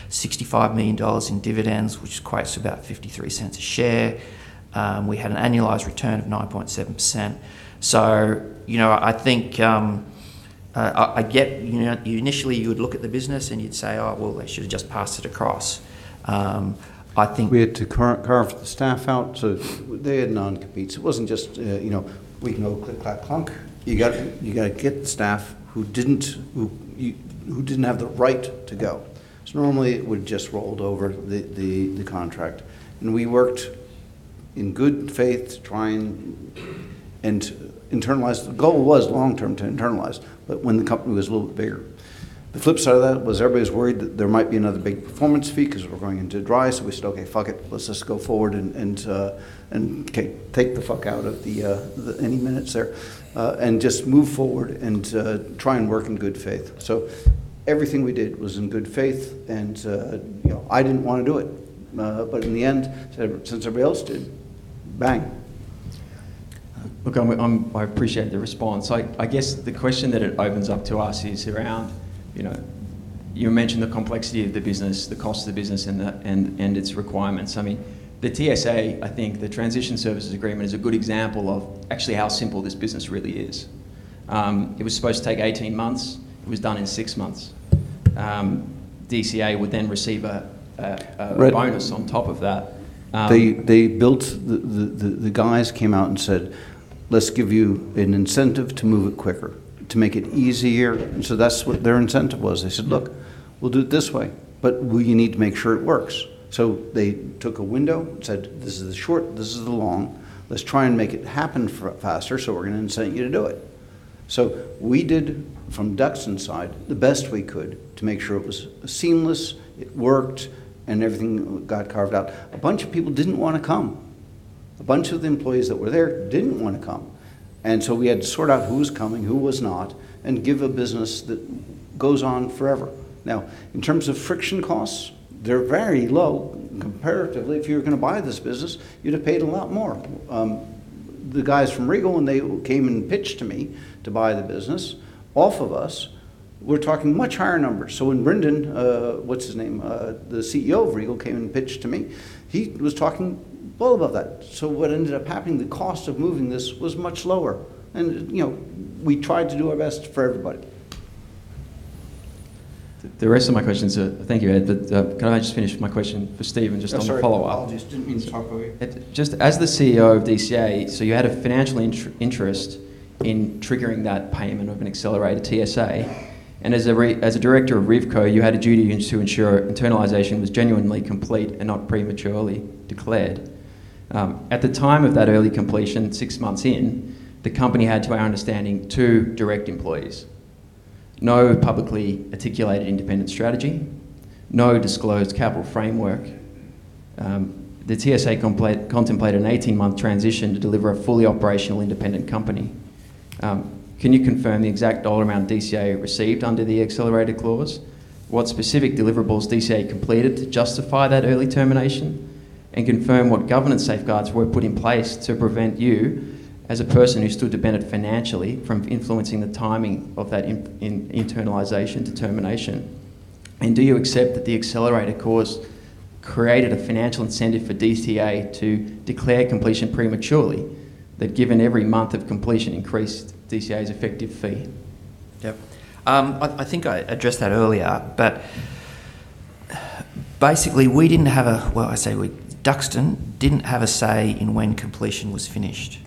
65 million dollars in dividends, which equates to about 0.53 a share. We had an annualized return of 9.7%. I think, initially you would look at the business and you'd say, "Oh, well, they should have just passed it across." I think We had to carve the staff out, so they had non-competes. It wasn't just we can go click, clack, clunk. You got to get staff who didn't have the right to go. Normally, it would just rolled over the contract, and we worked in good faith trying to internalize. The goal was long-term to internalize, but when the company was a little bit bigger. The flip side of that was everybody was worried that there might be another big performance fee because we're going into dry. We said, "Okay, fuck it. Let's just go forward and take the fuck out of any minutes there, and just move forward and try and work in good faith." Everything we did was in good faith, and I didn't want to do it. In the end, since everybody else did, bang. Look, I appreciate the response. I guess the question that it opens up to us is around, you mentioned the complexity of the business, the cost of the business, and its requirements. The TSA, I think, the Transition Services Agreement, is a good example of actually how simple this business really is. It was supposed to take 18 months. It was done in six months. DCA would then receive a bonus on top of that. The guys came out and said, "Let's give you an incentive to move it quicker, to make it easier." That's what their incentive was. They said, "Look, we'll do it this way, but you need to make sure it works." They took a window and said, "This is the short, this is the long. Let's try and make it happen faster, so we're going to incent you to do it." We did from Duxton's side, the best we could to make sure it was seamless, it worked, and everything got carved out. A bunch of people didn't want to come. A bunch of the employees that were there didn't want to come. We had to sort out who was coming, who was not, and give a business that goes on forever. Now, in terms of friction costs, they're very low comparatively. If you were going to buy this business, you'd have paid a lot more. The guys from Regal, when they came and pitched to me to buy the business off of us, we're talking much higher numbers. When Brendan, what's his name, the CEO of Regal, came and pitched to me, he was talking double that. What ended up happening, the cost of moving this was much lower and we tried to do our best for everybody. Thank you, Ed. Can I just finish my question for Stephen, just on a follow-up? Oh, sorry. Apologies. Didn't mean to talk over you. As the CEO of DCA, you had a financial interest in triggering that payment of an accelerated TSA, and as a director of Rivco, you had a duty to ensure internalization was genuinely complete and not prematurely declared. At the time of that early completion, six months in, the company had, to our understanding, two direct employees. No publicly articulated independent strategy, no disclosed capital framework. The TSA contemplated an 18-month transition to deliver a fully operational independent company. Can you confirm the exact dollar amount DCA received under the accelerated clause? What specific deliverables DCA completed to justify that early termination, and confirm what governance safeguards were put in place to prevent you, as a person who stood to benefit financially, from influencing the timing of that internalization to termination? Do you accept that the accelerated clause created a financial incentive for DCA to declare completion prematurely, that given every month of completion increased DCA's effective fee? Yep. I think I addressed that earlier. Basically, Duxton didn't have a say in when completion was finished.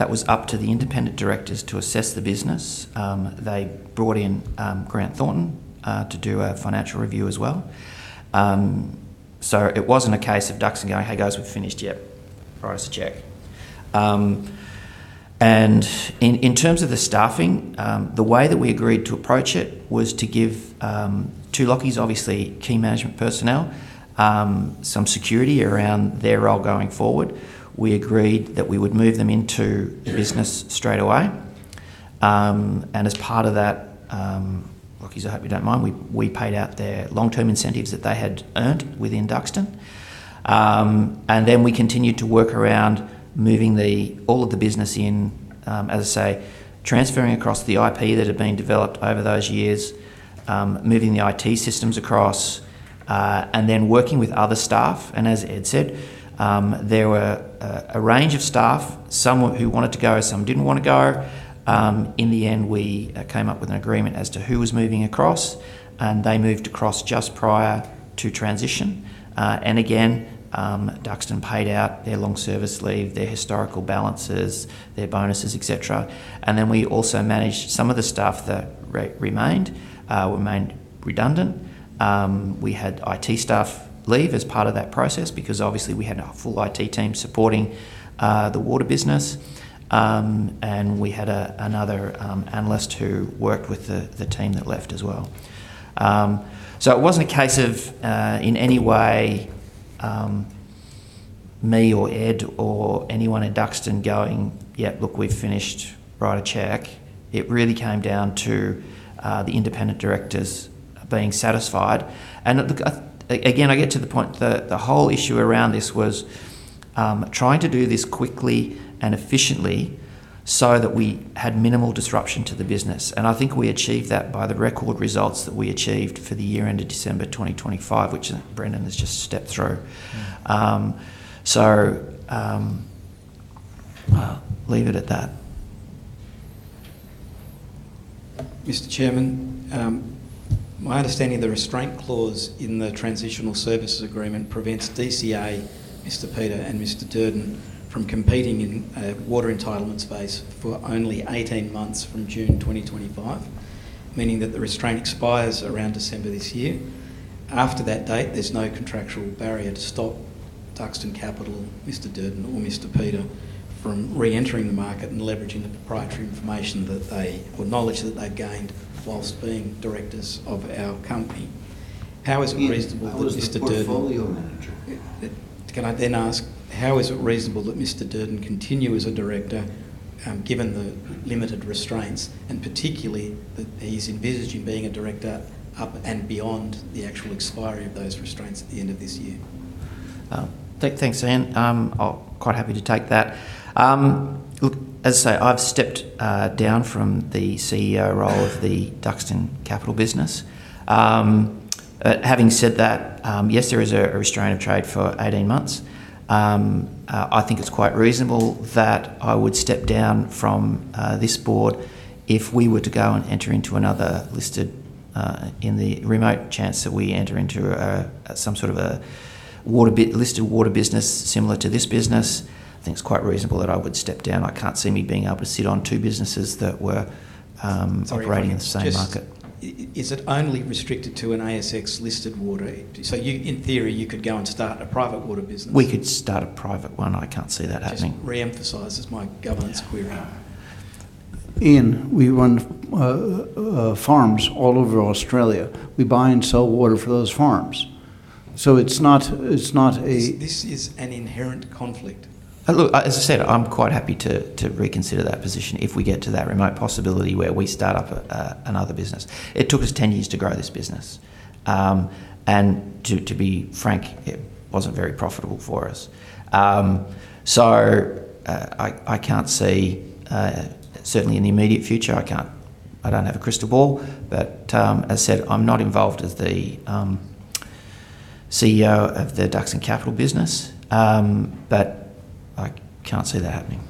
That was up to the independent directors to assess the business. They brought in Grant Thornton to do a financial review as well. It wasn't a case of Duxton going, "Hey, guys, we're finished." "Yep. Write us a check." In terms of the staffing, the way that we agreed to approach it was to give two Lachies, obviously, key management personnel, some security around their role going forward. We agreed that we would move them into the business straight away. As part of that, Lachies, I hope you don't mind, we paid out their long-term incentives that they had earned within Duxton. We continued to work around moving all of the business in, as I say, transferring across the IP that had been developed over those years, moving the IT systems across, and then working with other staff. As Ed said, there were a range of staff, some who wanted to go, some didn't want to go. In the end, we came up with an agreement as to who was moving across, and they moved across just prior to transition. Again, Duxton paid out their long service leave, their historical balances, their bonuses, et cetera. We also managed some of the staff that remained redundant. We had IT staff leave as part of that process because obviously we had a full IT team supporting the water business. We had another analyst who worked with the team that left as well. It wasn't a case of, in any way, me or Ed or anyone at Duxton going, "Yep, look, we've finished. Write a check." It really came down to the independent directors being satisfied. Again, I get to the point, the whole issue around this was trying to do this quickly and efficiently so that we had minimal disruption to the business. I think we achieved that by the record results that we achieved for the year end of December 2025, which Brendan has just stepped through. I'll leave it at that. Mr. Chairman, my understanding is the restraint clause in the transitional services agreement prevents DCA, Mr. Peter, and Mr. Duerden from competing in a water entitlement space for only 18 months from June 2025, meaning that the restraint expires around December this year. After that date, there's no contractual barrier to stop Duxton Capital, Mr. Duerden, or Mr. Peter from re-entering the market and leveraging the proprietary information or knowledge that they've gained while being directors of our company. How is it reasonable that Mr. Duerden? I was the portfolio manager. Can I ask, how is it reasonable that Mr. Duerden continue as a director, given the limited restraints and particularly that he's envisaging being a director up and beyond the actual expiry of those restraints at the end of this year? Thanks, Ian. I'm quite happy to take that. Look, as I say, I've stepped down from the CEO role of the Duxton Capital business. Having said that, yes, there is a restraint of trade for 18 months. I think it's quite reasonable that I would step down from this board if we were to go and enter into another listed, in the remote chance that we enter into some sort of a listed water business similar to this business. I think it's quite reasonable that I would step down. I can't see me being able to sit on two businesses that were operating in the same market. Sorry, just is it only restricted to an ASX-listed water? In theory, you could go and start a private water business. We could start a private one. I can't see that happening. Just reemphasizes my governance query. Ian, we run farms all over Australia. We buy and sell water for those farms. So it's not a— This is an inherent conflict. Look, as I said, I'm quite happy to reconsider that position, if we get to that remote possibility where we start up another business. It took us 10 years to grow this business. To be frank, it wasn't very profitable for us. I can't see, certainly in the immediate future, I don't have a crystal ball, but as I said, I'm not involved as the CEO of the Duxton Capital business, but I can't see that happening.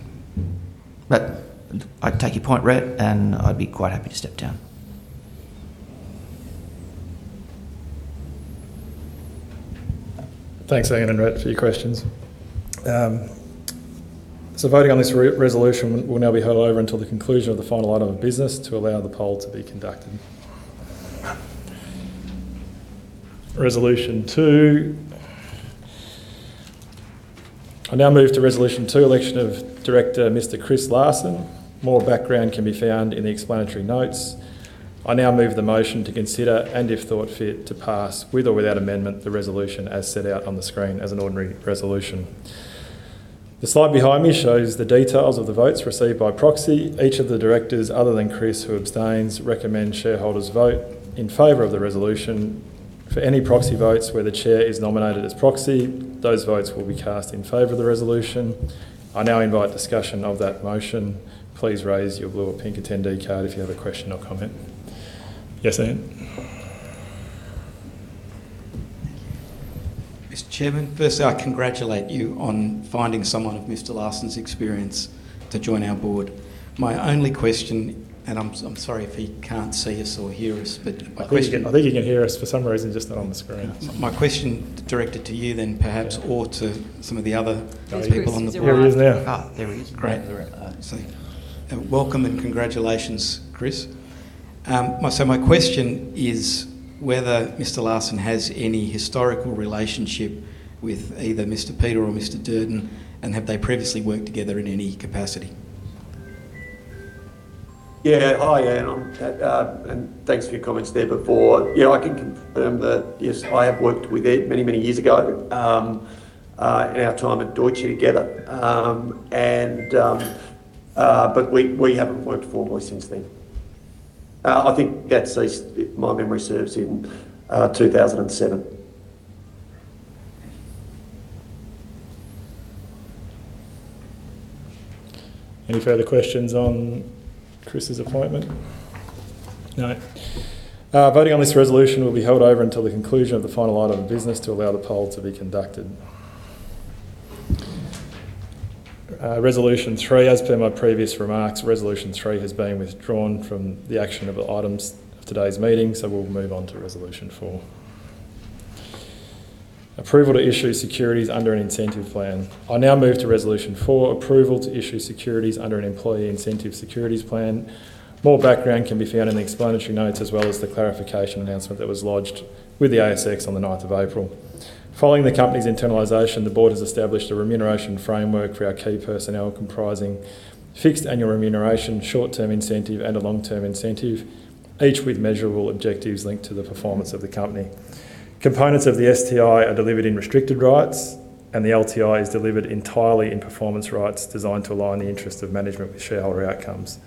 I can take your point, Rhett, and I'd be quite happy to step down. Thanks, Ian and Rhett, for your questions. Voting on this resolution will now be held over until the conclusion of the final item of business to allow the poll to be conducted. Resolution 2. I now move to Resolution 2, Election of Director Mr. Chris Larsen. More background can be found in the explanatory notes. I now move the motion to consider, and if thought fit, to pass, with or without amendment, the resolution as set out on the screen as an ordinary resolution. The slide behind me shows the details of the votes received by proxy. Each of the directors, other than Chris, who abstains, recommend shareholders vote in favor of the resolution. For any proxy votes where the chair is nominated as proxy, those votes will be cast in favor of the resolution. I now invite discussion of that motion. Please raise your blue or pink attendee card if you have a question or comment. Yes, Ian? Mr. Chairman, firstly, I congratulate you on finding someone of Mr. Larsen's experience to join our board. My only question, and I'm sorry if he can't see us or hear us, but my question. I think he can hear us for some reason, just not on the screen. My question directed to you then perhaps, or to some of the other people on the board. There's Chris. He's right— Here he is now. There he is. Great. There he is. Welcome and congratulations, Chris. My question is whether Mr. Larsen has any historical relationship with either Mr. Peter or Mr. Duerden, and have they previously worked together in any capacity? Yeah. Hi, Ian, and thanks for your comments there before. Yeah, I can confirm that, yes, I have worked with Ed many years ago in our time at Deutsche together. We haven't worked formally since then. I think that ceased, if my memory serves, in 2007. Any further questions on Chris's appointment? No. Voting on this resolution will be held over until the conclusion of the final item of business to allow the poll to be conducted. Resolution 3. As per my previous remarks, resolution three has been withdrawn from the agenda items of today's meeting, so we'll move on to Resolution 4. Approval to issue securities under an incentive plan. I now move to Resolution 4, Approval to Issue Securities under an Employee Incentive Securities Plan. More background can be found in the explanatory notes as well as the clarification announcement that was lodged with the ASX on the 9th of April. Following the company's internalization, the board has established a remuneration framework for our key personnel comprising fixed annual remuneration, short-term incentive, and a long-term incentive, each with measurable objectives linked to the performance of the company. Components of the STI are delivered in restricted rights, and the LTI is delivered entirely in performance rights designed to align the interest of management with shareholder outcomes.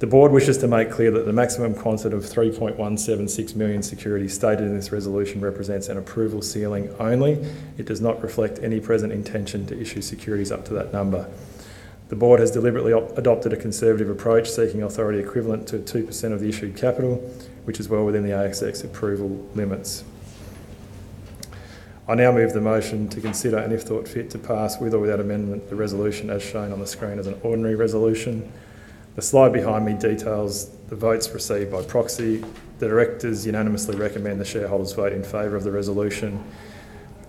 The board wishes to make clear that the maximum quantity of 3.176 million securities stated in this resolution represents an approval ceiling only. It does not reflect any present intention to issue securities up to that number. The board has deliberately adopted a conservative approach, seeking authority equivalent to 2% of the issued capital, which is well within the ASX approval limits. I now move the motion to consider, and if thought fit, to pass, with or without amendment, the resolution as shown on the screen as an ordinary resolution. The slide behind me details the votes received by proxy. The directors unanimously recommend the shareholders vote in favor of the resolution.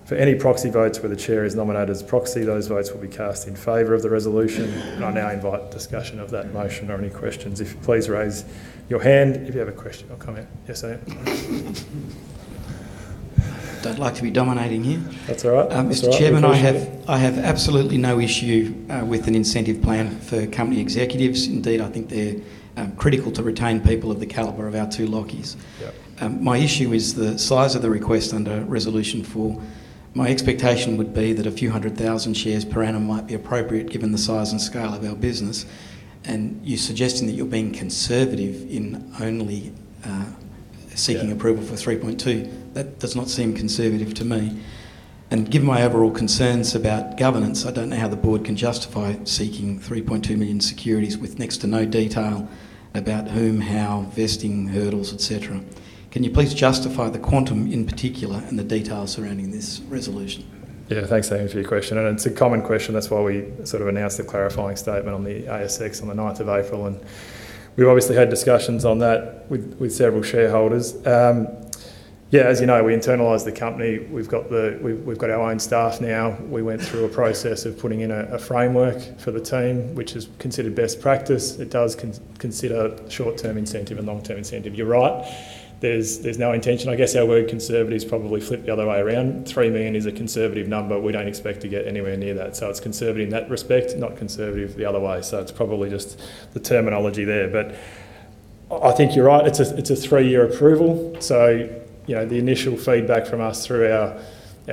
For any proxy votes where the chair is nominated as proxy, those votes will be cast in favor of the resolution. I now invite discussion of that motion or any questions. Please raise your hand if you have a question or comment. Yes, Ian? Don't like to be dominating here. That's all right. Mr. Chairman. Of course. I have absolutely no issue with an incentive plan for company executives. Indeed, I think they're critical to retain people of the caliber of our two Lachies. Yep. My issue is the size of the request under Resolution 4. My expectation would be that a few hundred thousand shares per annum might be appropriate given the size and scale of our business. You're suggesting that you're being conservative in only— Yeah —seeking approval for 3.2. That does not seem conservative to me. Given my overall concerns about governance, I don't know how the board can justify seeking 3.2 million securities with next to no detail about whom, how, vesting hurdles, et cetera. Can you please justify the quantum, in particular, and the details surrounding this resolution? Yeah. Thanks, Ian, for your question, and it's a common question. That's why we announced the clarifying statement on the ASX on the 9th of April, and we've obviously had discussions on that with several shareholders. Yeah, as you know, we internalized the company. We've got our own staff now. We went through a process of putting in a framework for the team, which is considered best practice. It does consider short-term incentive and long-term incentive. You're right. There's no intention. I guess our word conservative is probably flipped the other way around. 3 million is a conservative number. We don't expect to get anywhere near that. So it's conservative in that respect, not conservative the other way. So it's probably just the terminology there. But I think you're right. It's a three-year approval, so the initial feedback from us through our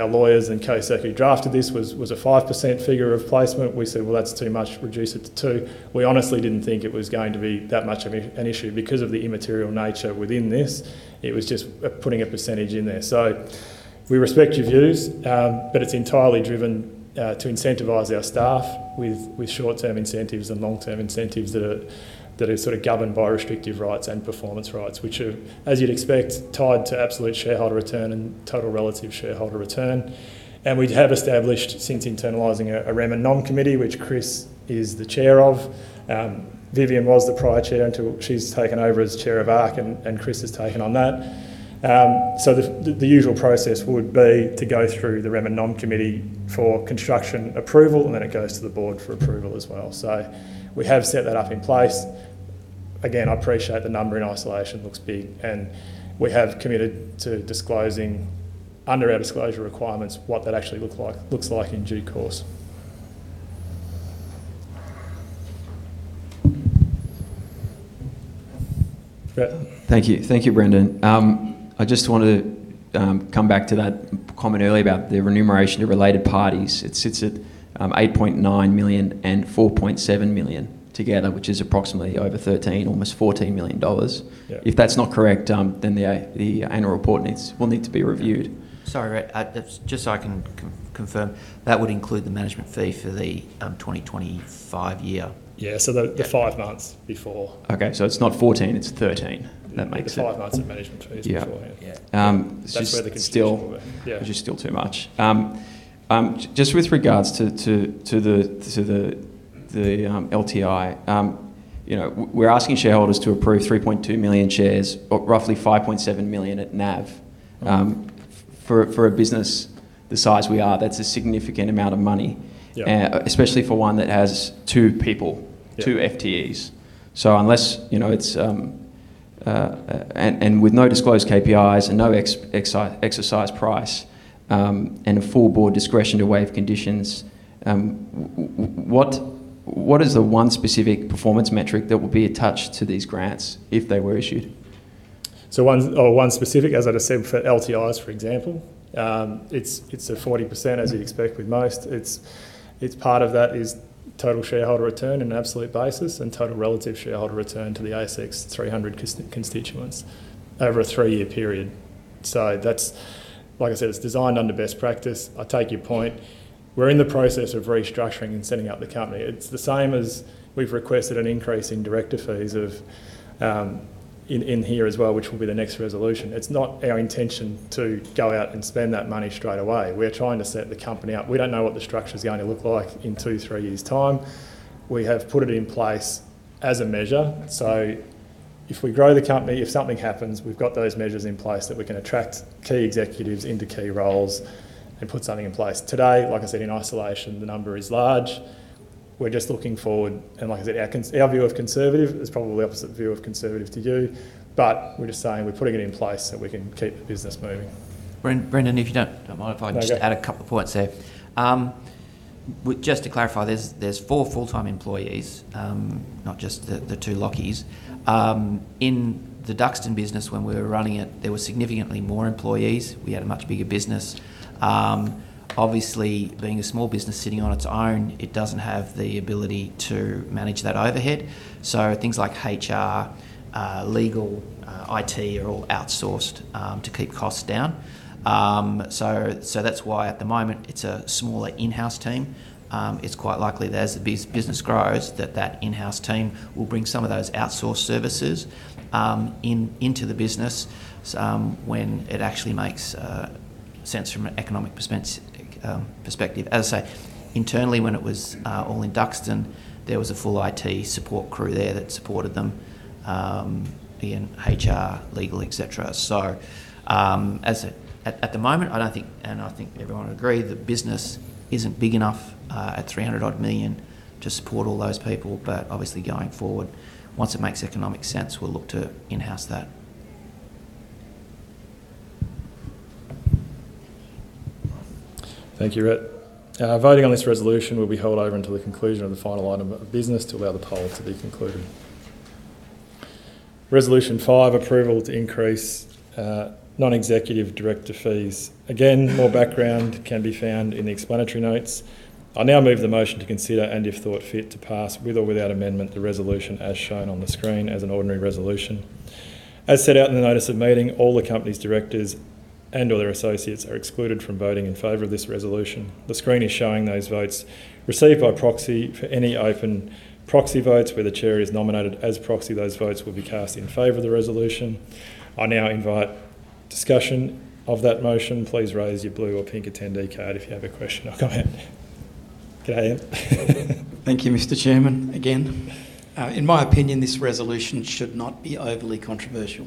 lawyers, and [K Sec], who drafted this, was a 5% figure of placement. We said, "Well, that's too much. Reduce it to 2%." We honestly didn't think it was going to be that much of an issue. Because of the immaterial nature within this, it was just putting a percentage in there. We respect your views, but it's entirely driven to incentivize our staff with short-term incentives and long-term incentives that are sort of governed by restrictive rights and performance rights, which are, as you'd expect, tied to absolute shareholder return and total relative shareholder return. We have established, since internalizing, a rem and nom committee, which Chris is the chair of. Vivienne was the prior chair until she's taken over as chair of ARC, and Chris has taken on that. The usual process would be to go through the rem and nom committee for construction approval, and then it goes to the board for approval as well. We have set that up in place. Again, I appreciate the number in isolation looks big, and we have committed to disclosing, under our disclosure requirements, what that actually looks like in due course. Rhett? Thank you. Thank you, Brendan. I just want to come back to that comment earlier about the remuneration of related parties. It sits at 8.9 million and 4.7 million together, which is approximately over 13, almost 14 million dollars. Yeah. If that's not correct, then the annual report will need to be reviewed. Sorry, Rhett, just so I can confirm, that would include the management fee for the 2025 year? The five months before. Okay, it's not 14, it's 13. That makes sense. The five months of management fees beforehand. Yeah. Yeah. That's where the confusion. Which is still— Yeah —which is still too much. Just with regards to the LTI, we're asking shareholders to approve 3.2 million shares, roughly 5.7 million at NAV. Right. For a business the size we are, that's a significant amount of money. Yeah. Especially for one that has two people. Yeah. Two FTEs. With no disclosed KPIs and no exercise price, and a full board discretion to waive conditions, what is the one specific performance metric that would be attached to these grants if they were issued? One specific, as I just said, for LTIs, for example, it's a 40%, as you'd expect with most. Part of that is total shareholder return in an absolute basis and total relative shareholder return to the ASX 300 constituents over a three-year period. Like I said, it's designed under best practice. I take your point. We're in the process of restructuring and setting up the company. It's the same as we've requested an increase in director fees in here as well, which will be the next resolution. It's not our intention to go out and spend that money straight away. We're trying to set the company up. We don't know what the structure's going to look like in two, three years' time. We have put it in place as a measure, so if we grow the company, if something happens, we've got those measures in place that we can attract key executives into key roles and put something in place. Today, like I said, in isolation, the number is large. We're just looking forward, and like I said, our view of conservative is probably the opposite view of conservative to you. We're just saying we're putting it in place so we can keep the business moving. Brendan, if you don't mind. No, go If I just add a couple of points there. Just to clarify, there's four full-time employees, not just the two Lachies. In the Duxton business, when we were running it, there were significantly more employees. We had a much bigger business. Obviously, being a small business sitting on its own, it doesn't have the ability to manage that overhead. Things like HR, legal, IT are all outsourced to keep costs down. That's why at the moment it's a smaller in-house team. It's quite likely that as the business grows, that in-house team will bring some of those outsourced services into the business, when it actually makes sense from an economic perspective. As I say, internally, when it was all in Duxton, there was a full IT support crew there that supported them, being HR, legal, et cetera. At the moment, and I think everyone would agree, the business isn't big enough at 300-odd million to support all those people, but obviously going forward, once it makes economic sense, we'll look to in-house that. Thank you, Rhett. Voting on this resolution will be held over until the conclusion of the final item of business to allow the poll to be concluded. Resolution 5, approval to increase Non-Executive Director fees. Again, more background can be found in the explanatory notes. I now move the motion to consider and, if thought fit, to pass with or without amendment the resolution as shown on the screen as an Ordinary Resolution. As set out in the Notice of Meeting, all the company's directors and/or their associates are excluded from voting in favor of this resolution. The screen is showing those votes received by proxy. For any open proxy votes where the Chair is nominated as proxy, those votes will be cast in favor of the resolution. I now invite discussion of that motion. Please raise your blue or pink attendee card if you have a question or comment. Go ahead. Thank you, Mr. Chairman, again. In my opinion, this resolution should not be overly controversial.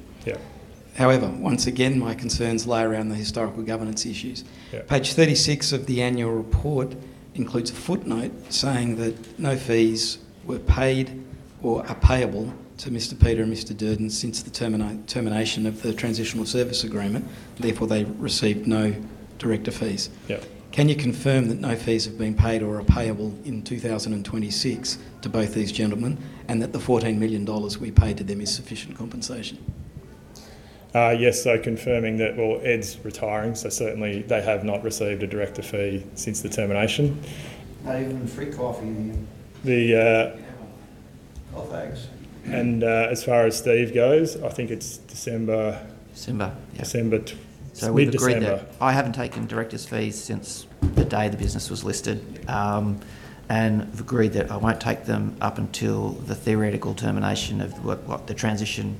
Yeah. However, once again, my concerns lie around the historical governance issues. Yeah. Page 36 of the annual report includes a footnote saying that no fees were paid or are payable to Mr. Ed Peter and Mr. Duerden since the termination of the transitional service agreement, therefore they received no director fees. Yeah. Can you confirm that no fees have been paid or are payable in 2026 to both these gentlemen, and that the 14 million dollars we paid to them is sufficient compensation? Yes. Confirming that, well, Ed's retiring, so certainly they have not received a director fee since the termination. Not even free coffee then. The, uh- Oh, thanks. As far as Steve goes, I think it's December. December. Yeah. December. Mid-December. We've agreed that I haven't taken director's fees since the day the business was listed, and have agreed that I won't take them up until the theoretical termination of the transition,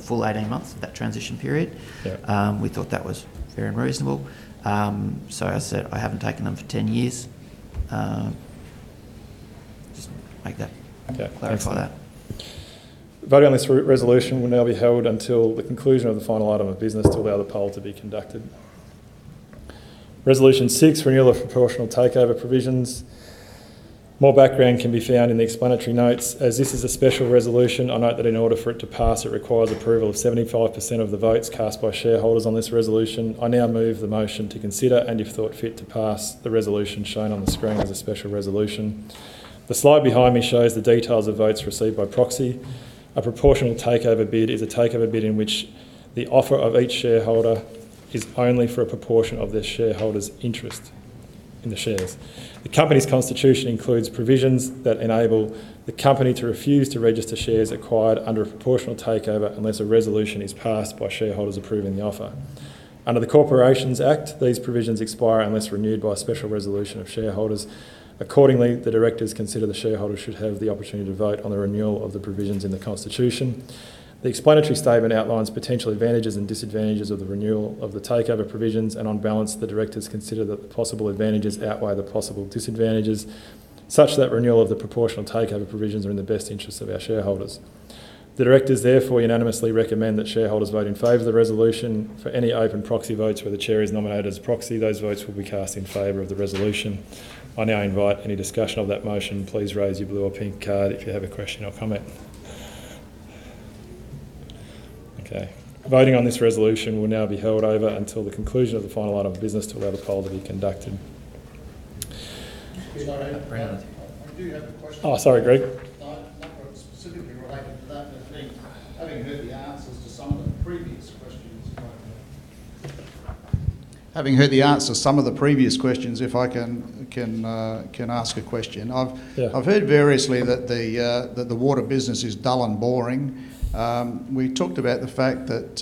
the full 18 months, that transition period. Yeah. We thought that was fair and reasonable. As I said, I haven't taken them for 10 years. I just want to make that. Okay Clarify that. Voting on this resolution will now be held until the conclusion of the final item of business to allow the poll to be conducted. Resolution 6, renewal of proportional takeover provisions. More background can be found in the explanatory notes. As this is a special resolution, I note that in order for it to pass, it requires approval of 75% of the votes cast by shareholders on this resolution. I now move the motion to consider, and if thought fit, to pass the resolution shown on the screen as a special resolution. The slide behind me shows the details of votes received by proxy. A proportional takeover bid is a takeover bid in which the offer of each shareholder is only for a proportion of the shareholder's interest in the shares. The company's constitution includes provisions that enable the company to refuse to register shares acquired under a proportional takeover unless a resolution is passed by shareholders approving the offer. Under the Corporations Act, these provisions expire unless renewed by a special resolution of shareholders. Accordingly, the directors consider the shareholders should have the opportunity to vote on the renewal of the provisions in the constitution. The explanatory statement outlines potential advantages and disadvantages of the renewal of the takeover provisions, and on balance, the directors consider that the possible advantages outweigh the possible disadvantages, such that renewal of the proportional takeover provisions are in the best interests of our shareholders. The directors therefore unanimously recommend that shareholders vote in favor of the resolution. For any open proxy votes where the chair is nominated as a proxy, those votes will be cast in favor of the resolution. I now invite any discussion of that motion. Please raise your blue or pink card if you have a question or comment. Okay. Voting on this resolution will now be held over until the conclusion of the final item of business to allow the poll to be conducted. Sorry. Brown. I do have a question. Oh, sorry, Greg. Not specifically related to that, but having heard the answers to some of the previous questions, if I can ask a question. Yeah. I've heard variously that the water business is dull and boring. We talked about the fact that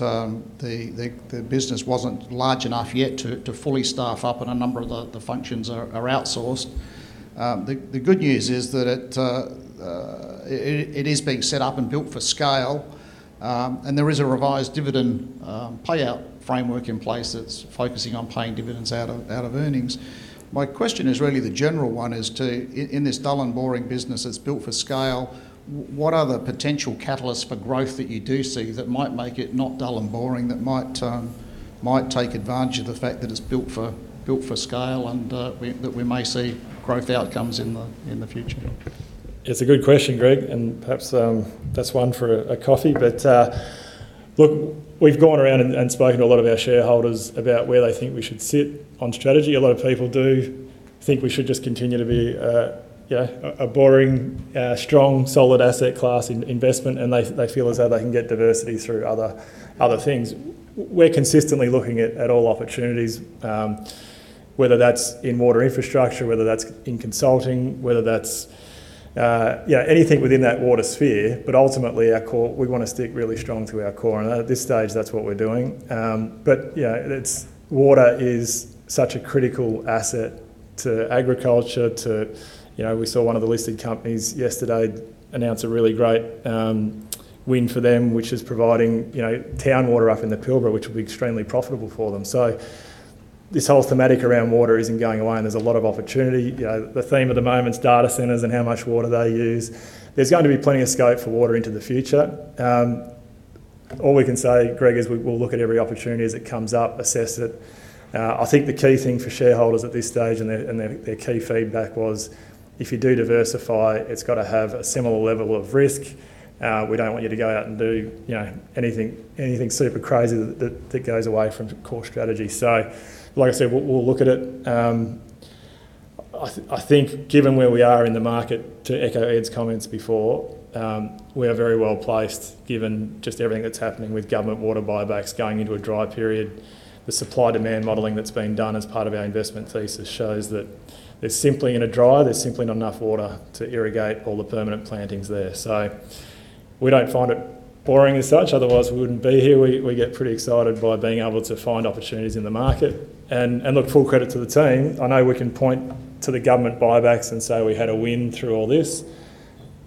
the business wasn't large enough yet to fully staff up, and a number of the functions are outsourced. The good news is that it is being set up and built for scale, and there is a revised dividend payout framework in place that's focusing on paying dividends out of earnings. My question is really the general one, is in this dull and boring business that's built for scale, what are the potential catalysts for growth that you do see that might make it not dull and boring, that might take advantage of the fact that it's built for scale and that we may see growth outcomes in the future? It's a good question, Greg, and perhaps that's one for a coffee. Look, we've gone around and spoken to a lot of our shareholders about where they think we should sit on strategy. A lot of people do think we should just continue to be a boring, strong, solid asset class in investment, and they feel as though they can get diversity through other things. We're consistently looking at all opportunities, whether that's in water infrastructure, whether that's in consulting, anything within that water sphere. Ultimately, our core, we want to stick really strong to our core, and at this stage, that's what we're doing. Yeah, water is such a critical asset to agriculture. We saw one of the listed companies yesterday announce a really great win for them, which is providing town water up in the Pilbara, which will be extremely profitable for them. This whole thematic around water isn't going away, and there's a lot of opportunity. The theme at the moment is data centers and how much water they use. There's going to be plenty of scope for water into the future. All we can say, Greg, is we'll look at every opportunity as it comes up, assess it. I think the key thing for shareholders at this stage, and their key feedback was, if you do diversify, it's got to have a similar level of risk. We don't want you to go out and do anything super crazy that goes away from core strategy. Like I said, we'll look at it. I think given where we are in the market, to echo Ed's comments before, we are very well-placed given just everything that's happening with government water buybacks, going into a dry period. The supply-demand modeling that's been done as part of our investment thesis shows that it's simply going to dry. There's simply not enough water to irrigate all the permanent plantings there. We don't find it boring as such, otherwise we wouldn't be here. We get pretty excited by being able to find opportunities in the market, and look, full credit to the team. I know we can point to the government buybacks and say we had a win through all this.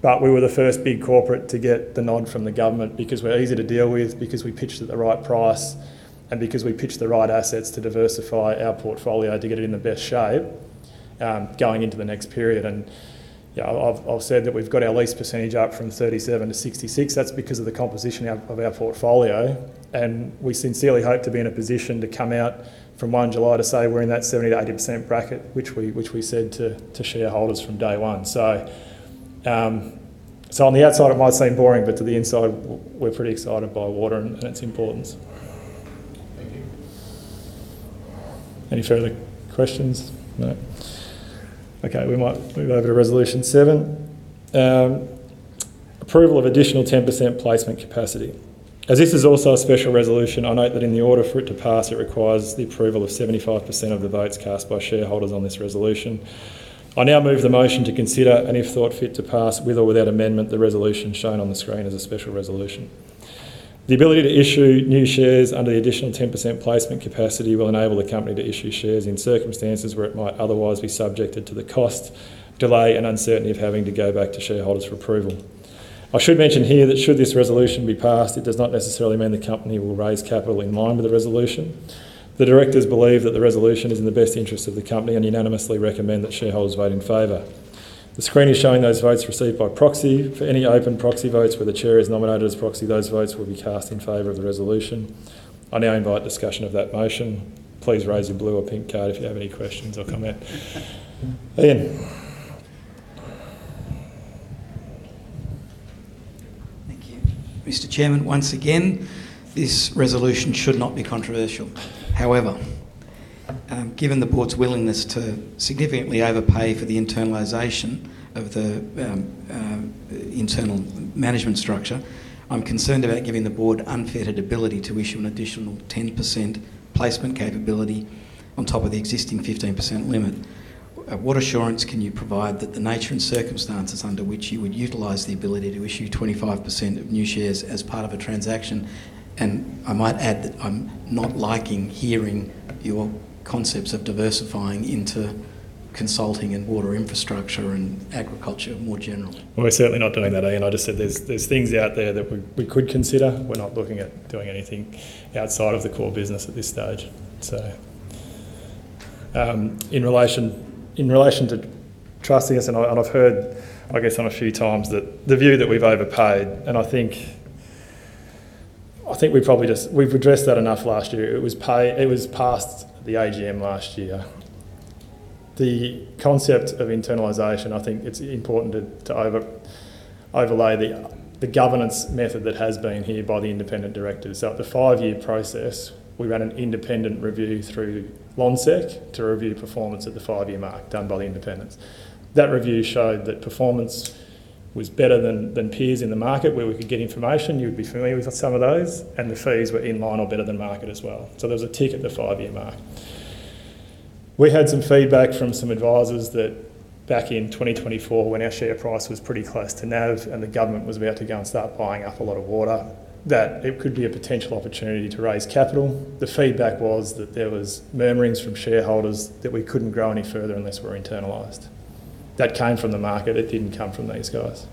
We were the first big corporate to get the nod from the government because we're easy to deal with, because we pitched at the right price, and because we pitched the right assets to diversify our portfolio to get it in the best shape going into the next period. I've said that we've got our lease percentage up from 37% to 66%. That's because of the composition of our portfolio, and we sincerely hope to be in a position to come out from 1 July to say we're in that 70%-80% bracket, which we said to shareholders from day one. On the outside, it might seem boring, but to the inside, we're pretty excited by water and its importance. Any further questions? No. Okay. We might move over to Resolution 7, approval of additional 10% placement capacity. As this is also a special resolution, I note that in the order for it to pass, it requires the approval of 75% of the votes cast by shareholders on this resolution. I now move the motion to consider, and if thought fit to pass, with or without amendment, the resolution shown on the screen as a special resolution. The ability to issue new shares under the additional 10% placement capacity will enable the company to issue shares in circumstances where it might otherwise be subjected to the cost, delay, and uncertainty of having to go back to shareholders for approval. I should mention here that should this resolution be passed, it does not necessarily mean the company will raise capital in line with the resolution. The directors believe that the resolution is in the best interest of the company and unanimously recommend that shareholders vote in favor. The screen is showing those votes received by proxy. For any open proxy votes where the chair is nominated as proxy, those votes will be cast in favor of the resolution. I now invite discussion of that motion. Please raise a blue or pink card if you have any questions or comment. Ian. Thank you. Mr. Chairman, once again, this resolution should not be controversial. However, given the board's willingness to significantly overpay for the internalization of the internal management structure, I'm concerned about giving the board unfettered ability to issue an additional 10% placement capability on top of the existing 15% limit. What assurance can you provide that the nature and circumstances under which you would utilize the ability to issue 25% of new shares as part of a transaction? I might add that I'm not liking hearing your concepts of diversifying into consulting and water infrastructure and agriculture more general. Well, we're certainly not doing that, Ian. I just said there's things out there that we could consider. We're not looking at doing anything outside of the core business at this stage. In relation to trusting us, and I've heard, I guess, a few times, that the view that we've overpaid, and I think we've addressed that enough last year. It was passed at the AGM last year. The concept of internalization, I think it's important to overlay the governance method that has been here by the independent directors. At the five-year process, we ran an independent review through Lonsec to review performance at the five-year mark done by the independents. That review showed that performance was better than peers in the market where we could get information. You'd be familiar with some of those, and the fees were in line or better than market as well. There was a tick at the five-year mark. We had some feedback from some advisors that back in 2024, when our share price was pretty close to NAV and the government was about to go and start buying up a lot of water, that it could be a potential opportunity to raise capital. The feedback was that there was murmurings from shareholders that we couldn't grow any further unless we're internalized. That came from the market. It didn't come from these guys.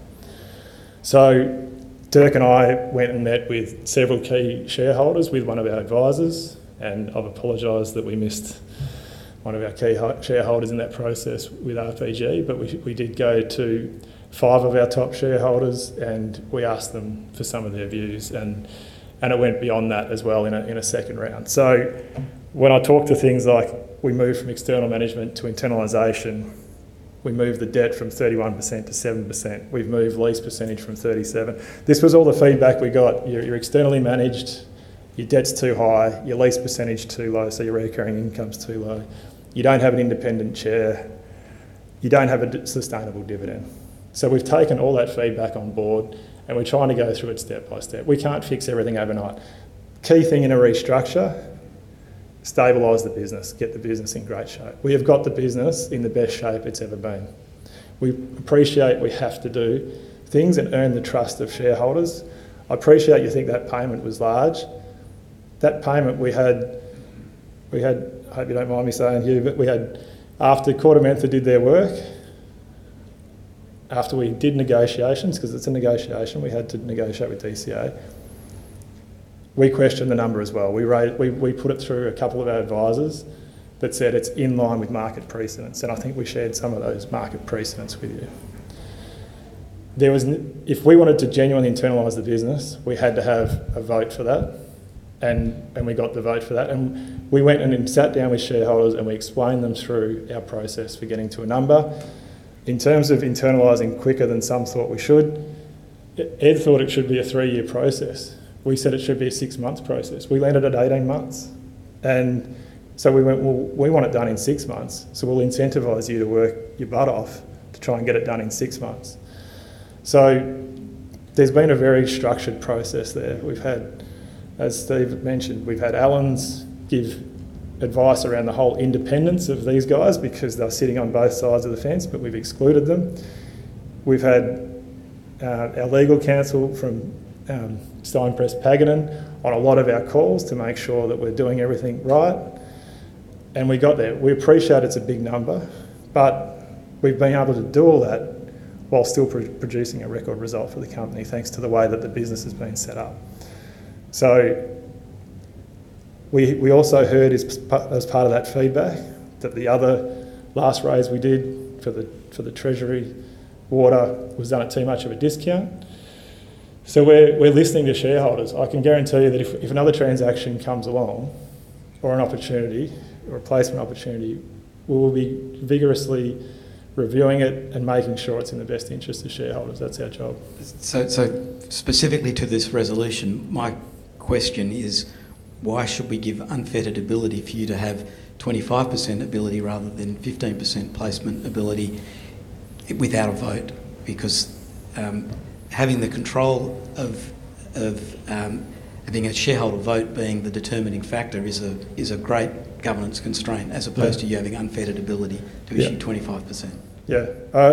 Dirk and I went and met with several key shareholders with one of our advisors, and I've apologized that we missed one of our key shareholders in that process with RPG, but we did go to five of our top shareholders, and we asked them for some of their views and it went beyond that as well in a second round. When I talk to things like we moved from external management to internalization, we moved the debt from 31% to 7%, we've moved lease percentage from 37%. This was all the feedback we got. You're externally managed. Your debt's too high, your lease percentage too low, so your recurring income's too low. You don't have an independent chair. You don't have a sustainable dividend. We've taken all that feedback on board, and we're trying to go through it step by step. We can't fix everything overnight. Key thing in a restructure, stabilize the business, get the business in great shape. We have got the business in the best shape it's ever been. We appreciate we have to do things and earn the trust of shareholders. I appreciate you think that payment was large. That payment we had. I hope you don't mind me saying here, but after KordaMentha did their work, after we did negotiations, because it's a negotiation, we had to negotiate with DCA. We questioned the number as well. We put it through a couple of our advisors that said it's in line with market precedent, and I think we shared some of that market precedent with you. If we wanted to genuinely internalize the business, we had to have a vote for that, and we got the vote for that, and we went and sat down with shareholders, and we explained them through our process for getting to a number. In terms of internalizing quicker than some thought we should, Ed thought it should be a three-year process. We said it should be a six-month process. We landed at 18 months, and we went, "Well, we want it done in six months, so we'll incentivize you to work your butt off to try and get it done in six months." There's been a very structured process there. As Steve mentioned, we've had Allens give advice around the whole independence of these guys because they were sitting on both sides of the fence, but we've excluded them. We've had our legal counsel from Steinepreis Paganin on a lot of our calls to make sure that we're doing everything right, and we got there. We appreciate it's a big number, but we've been able to do all that while still producing a record result for the company, thanks to the way that the business has been set up. We also heard as part of that feedback that the other last raise we did for the treasury water was done at too much of a discount. We're listening to shareholders. I can guarantee you that if another transaction comes along or an opportunity or a placement opportunity, we will be vigorously reviewing it and making sure it's in the best interest of shareholders. That's our job. Specifically to this resolution, my question is, why should we give unfettered ability for you to have 25% ability rather than 15% placement ability without a vote. Because having the control of having a shareholder vote being the determining factor is a great governance constraint, as opposed to you having unfettered ability to issue 25%. Yeah.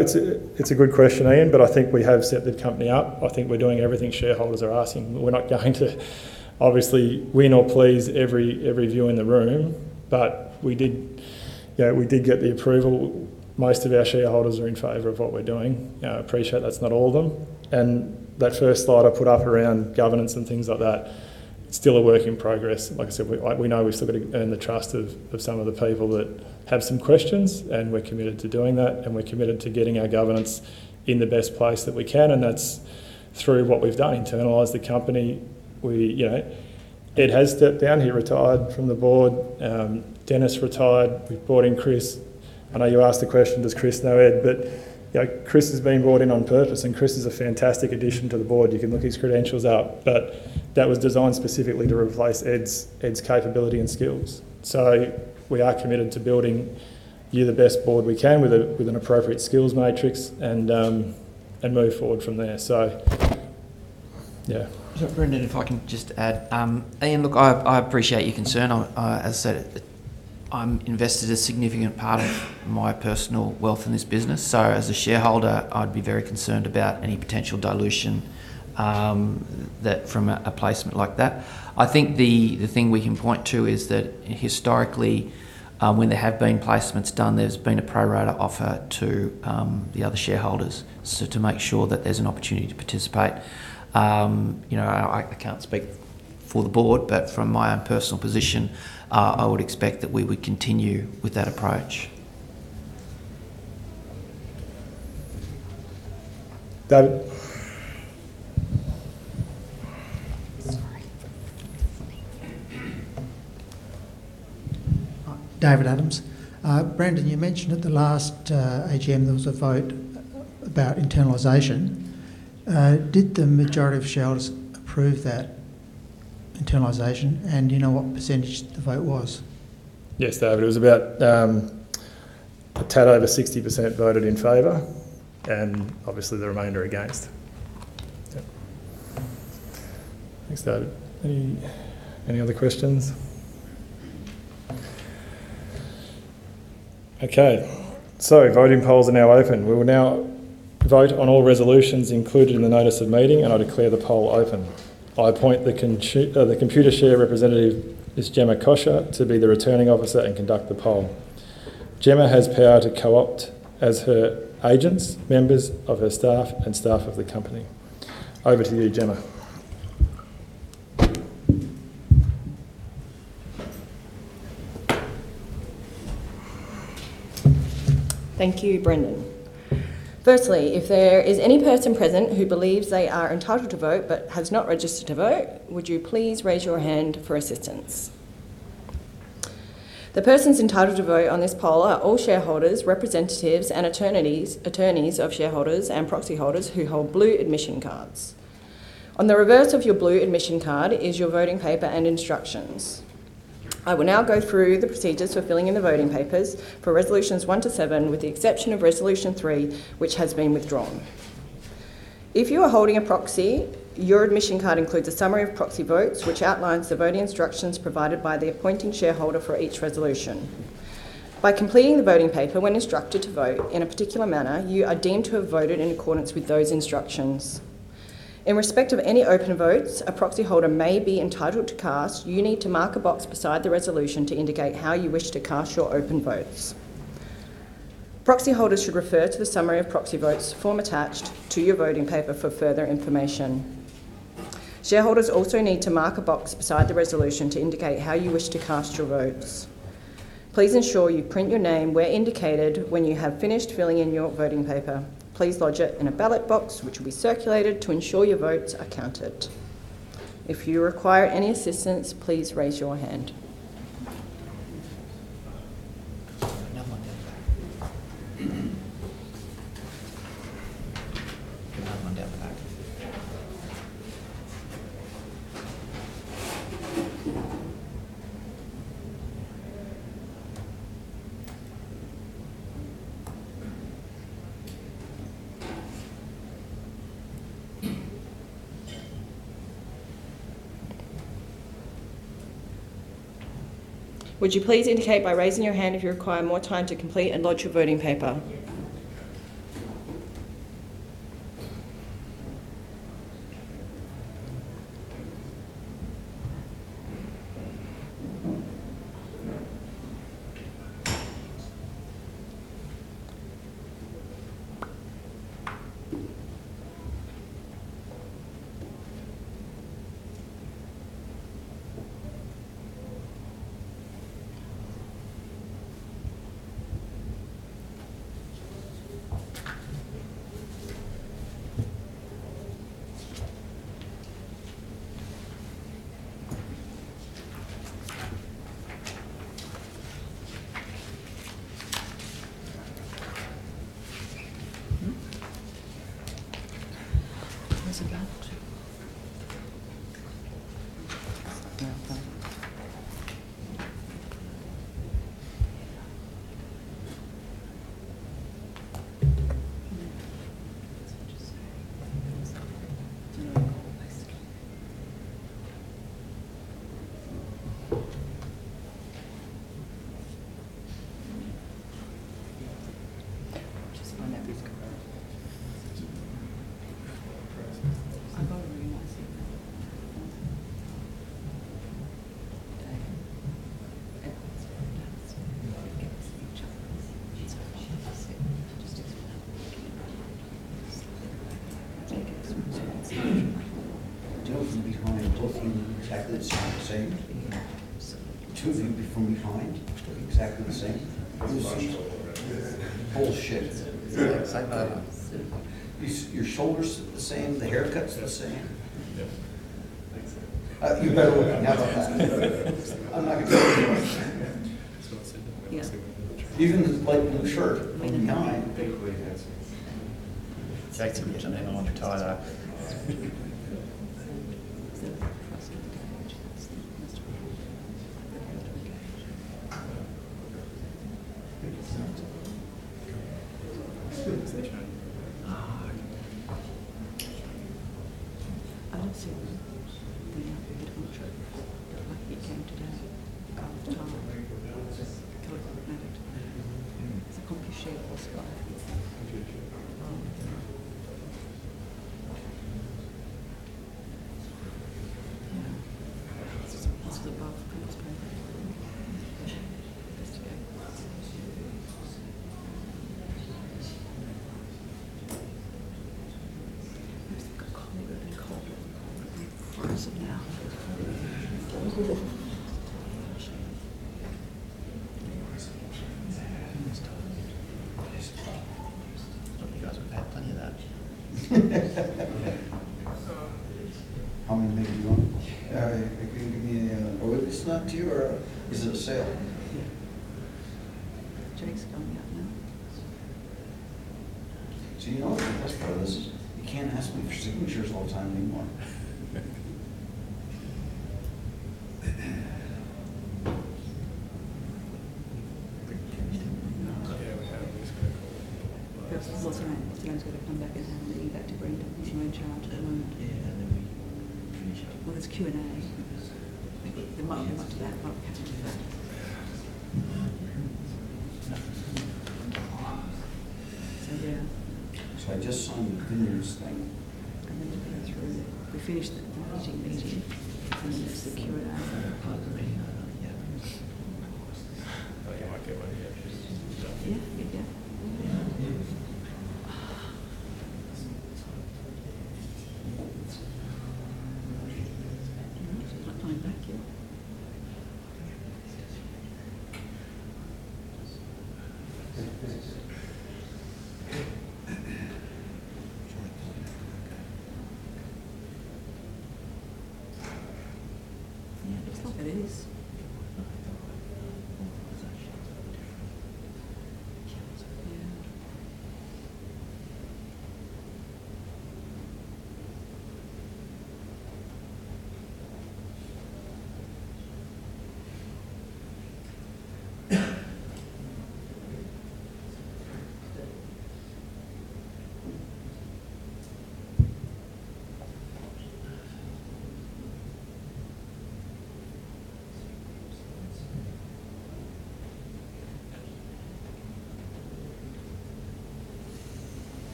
It's a good question, Ian, but I think we have set the company up. I think we're doing everything shareholders are asking. We're not going to obviously win or please every view in the room, but we did get the approval. Most of our shareholders are in favor of what we're doing. I appreciate that's not all of them. That first slide I put up around governance and things like that, it's still a work in progress. Like I said, we know we've still got to earn the trust of some of the people that have some questions, and we're committed to doing that, and we're committed to getting our governance in the best place that we can. That's through what we've done, internalized the company. Ed has stepped down. He retired from the board. Dennis retired. We've brought in Chris. I know you asked the question, does Chris know Ed? Chris has been brought in on purpose, and Chris is a fantastic addition to the board. You can look his credentials up. That was designed specifically to replace Ed's capability and skills. We are committed to building here the best board we can with an appropriate skills matrix, and move forward from there. Yeah. Brendan, if I can just add. Ian, look, I appreciate your concern. As I said, I've invested a significant part of my personal wealth in this business. As a shareholder, I'd be very concerned about any potential dilution from a placement like that. I think the thing we can point to is that historically, when there have been placements done, there's been a pro rata offer to the other shareholders, so to make sure that there's an opportunity to participate. I can't speak for the board, but from my own personal position, I would expect that we would continue with that approach. David. David Adams. Brendan, you mentioned at the last AGM there was a vote about internalization. Did the majority of shareholders approve that internalization, and do you know what percentage the vote was? Yes, David. It was about a tad over 60% voted in favor, and obviously the remainder against. Yeah. Thanks, David. Any other questions? Okay. Voting polls are now open. We will now vote on all resolutions included in the notice of meeting, and I declare the poll open. I appoint the Computershare representative, Ms. Gemma Koscher, to be the Returning Officer and conduct the poll. Gemma has power to co-opt as her agents, members of her staff, and staff of the company. Over to you, Gemma. Thank you, Brendan. Firstly, if there is any person present who believes they are entitled to vote but has not registered to vote, would you please raise your hand for assistance. The persons entitled to vote on this poll are all shareholders, representatives, and attorneys of shareholders and proxyholders who hold blue admission cards. On the reverse of your blue admission card is your voting paper and instructions. I will now go through the procedures for filling in the voting papers for resolutions one to seven, with the exception of Resolution 3, which has been withdrawn. If you are holding a proxy, your admission card includes a summary of proxy votes, which outlines the voting instructions provided by the appointing shareholder for each resolution. By completing the voting paper when instructed to vote in a particular manner, you are deemed to have voted in accordance with those instructions. In respect of any open votes a proxyholder may be entitled to cast, you need to mark a box beside the resolution to indicate how you wish to cast your open votes. Proxyholders should refer to the summary of proxy votes form attached to your voting paper for further information. Shareholders also need to mark a box beside the resolution to indicate how you wish to cast your votes. Please ensure you print your name where indicated. When you have finished filling in your voting paper, please lodge it in a ballot box, which will be circulated, to ensure your votes are counted. If you require any assistance, please raise your hand. Another one down the back. Would you please indicate by raising your hand if you require more time to complete and lodge your voting paper? Where's it gone? Two of you behind looking exactly the same? Bullshit. Yeah. Your shoulders the same, the haircut's the same. Yes. You better look. How about that? I'm not going to tell you much. Even the light blue shirt from behind. Exactly. You know I'm retired. How many maybe you want? Can you give me? Oh, it's not two? Or is it a sale? Do you know what the best part of this is? You can't ask me for signatures all the time anymore. I just signed William's thing. Steve, you were saying earlier about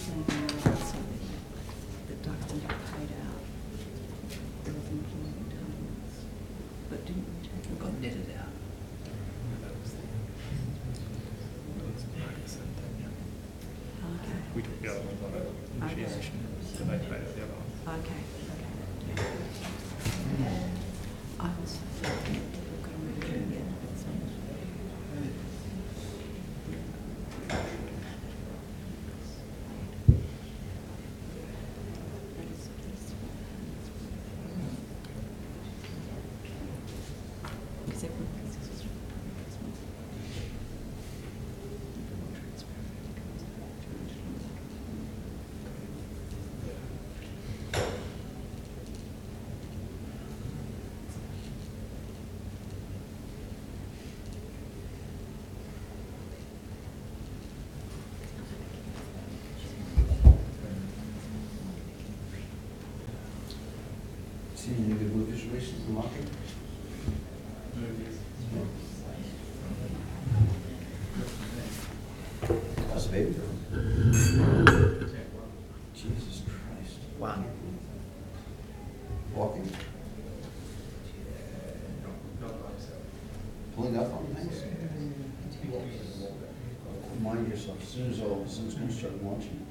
somebody that Duxton had paid out. They were thinking of making terms. We got netted out. No, that was [Mark Santana]. Okay. We took the other one on initiation, so they paid out the other one. Okay. Steve, you need a good illustration for marketing? No, it is. That's a baby. Jesus Christ. Wow. Walking. Not by itself. Pulling up on things. Yeah. Remind yourself, as soon as construction launching,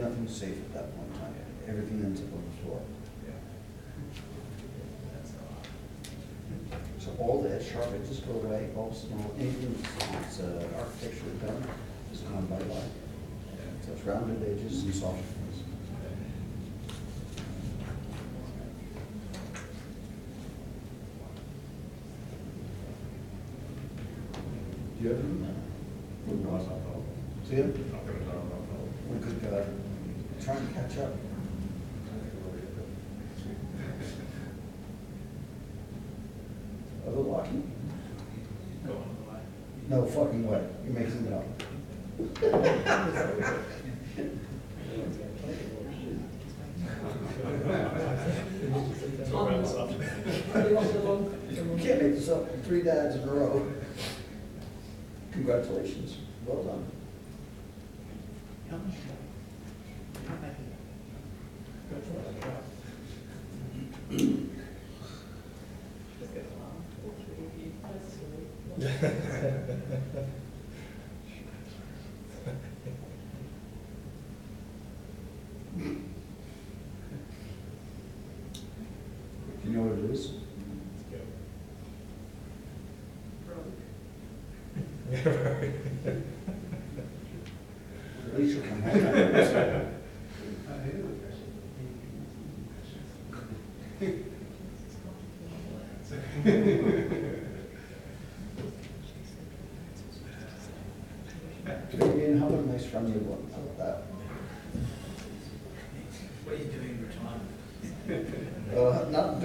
nothing's safe at that point in time. Everything ends up on the floor. Yeah. All the edge sharpness is gone away. All small edges, any of the architecture is gone, just gone bye-bye. It's rounded edges and soft edges. Do you have any? No, that's not all. See them? No. We could try and catch up. I think we're a bit better. Are we lucky? No, I'm all right. No fucking way. It makes me doubt. That's all wrapped up. You can't make this up. Three dads in a row. Congratulations.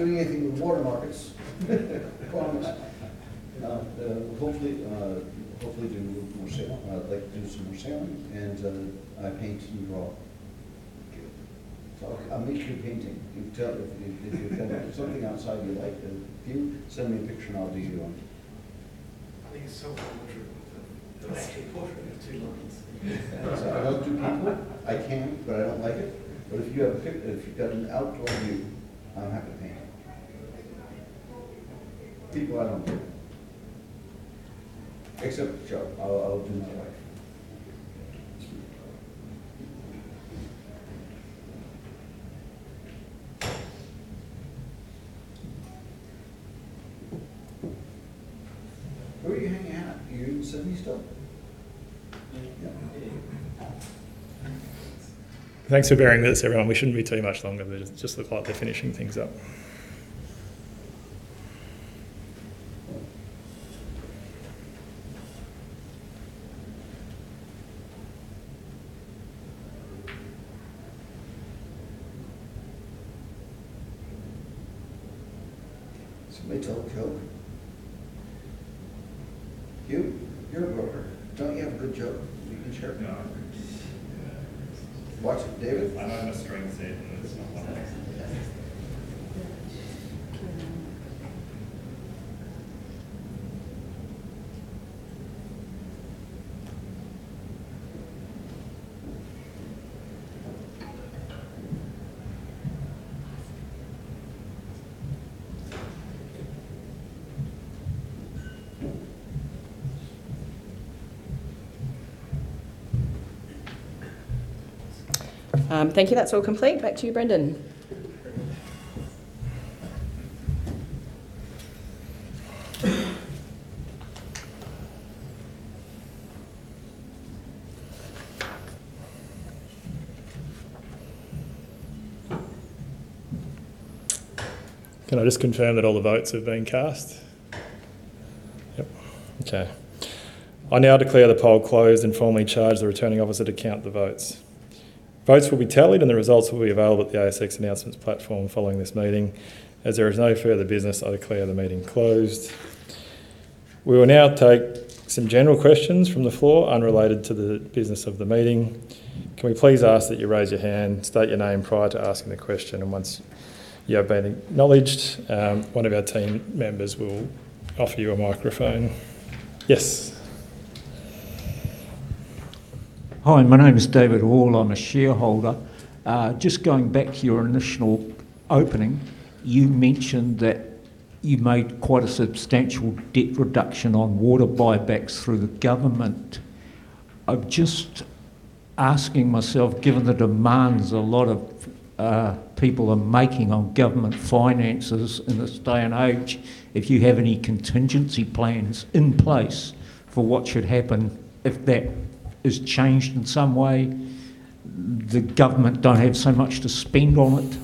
Well done. Congratulations. You know what it is? It's good. Probably. Probably. How many of these from you lot without that? What are you doing in retirement? Not doing anything with watermarks. Promise. Hopefully, do more sailing. I'd like to do some more sailing, and I paint and draw. Good. I'll make you a painting. If you tell me something outside you like the view, send me a picture, and I'll do you one. I think it's self-portrait. It's actually a portrait of two monkeys. I don't do people. I can, but I don't like it. If you've got an outdoor view, I'm happy to paint it. People, I don't do. Except Joe. I'll do my wife. Where are you hanging out? Are you in semi-stock? Yeah. Yeah. Thanks for bearing with us, everyone. We shouldn't be too much longer, they just look like they're finishing things up. Somebody tell a joke. You? You're a broker. Don't you have a good joke you can share? No. Watch it. David? I know I'm a strength today, but it's not one of them. Thank you. That's all complete. Back to you, Brendan. Can I just confirm that all the votes have been cast? Yep. Okay. I now declare the poll closed and formally charge the Returning Officer to count the votes. Votes will be tallied, and the results will be available at the ASX announcements platform following this meeting. As there is no further business, I declare the meeting closed. We will now take some general questions from the floor unrelated to the business of the meeting. Can we please ask that you raise your hand, state your name prior to asking the question, and once you have been acknowledged, one of our team members will offer you a microphone. Yes. Hi, my name is David Wall. I'm a shareholder. Just going back to your initial opening, you mentioned that you made quite a substantial debt reduction on water buybacks through the government. I'm just asking myself, given the demands a lot of people are making on government finances in this day and age, if you have any contingency plans in place for what should happen if that is changed in some way, the government don't have so much to spend on it?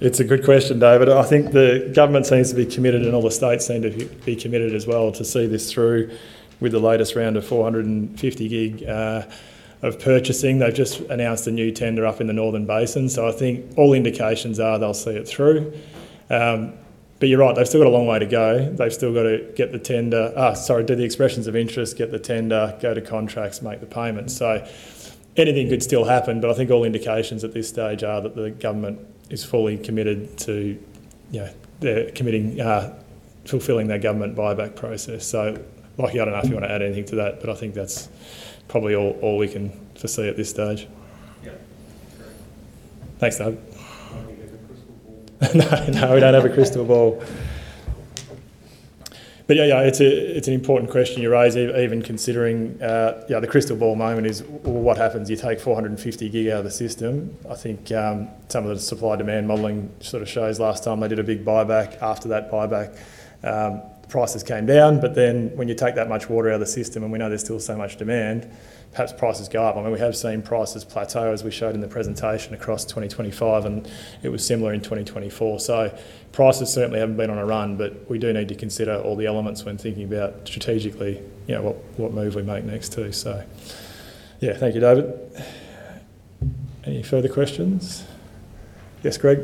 It's a good question, David. I think the government seems to be committed, and all the states seem to be committed as well to see this through with the latest round of 450 gig of purchasing. They've just announced a new tender up in the northern basin, so I think all indications are they'll see it through. You're right, they've still got a long way to go. They've still got to do the expressions of interest, get the tender, go to contracts, make the payments. Anything could still happen, but I think all indications at this stage are that the government is fully committed to fulfilling their government buyback process. Lachie, I don't know if you want to add anything to that, but I think that's probably all we can foresee at this stage. Yeah. That's correct. Thanks, David. I don't think we have a crystal ball. No, we don't have a crystal ball. Yeah, it's an important question you raise, even considering the crystal ball moment is what happens. You take 450 gig out of the system. I think some of the supply-demand modeling sort of shows last time they did a big buyback. After that buyback, prices came down. Then when you take that much water out of the system and we know there's still so much demand, perhaps prices go up. I mean, we have seen prices plateau, as we showed in the presentation across 2025, and it was similar in 2024. Prices certainly haven't been on a run, but we do need to consider all the elements when thinking about strategically what move we make next too. Yeah. Thank you, David. Any further questions? Yes, Greg.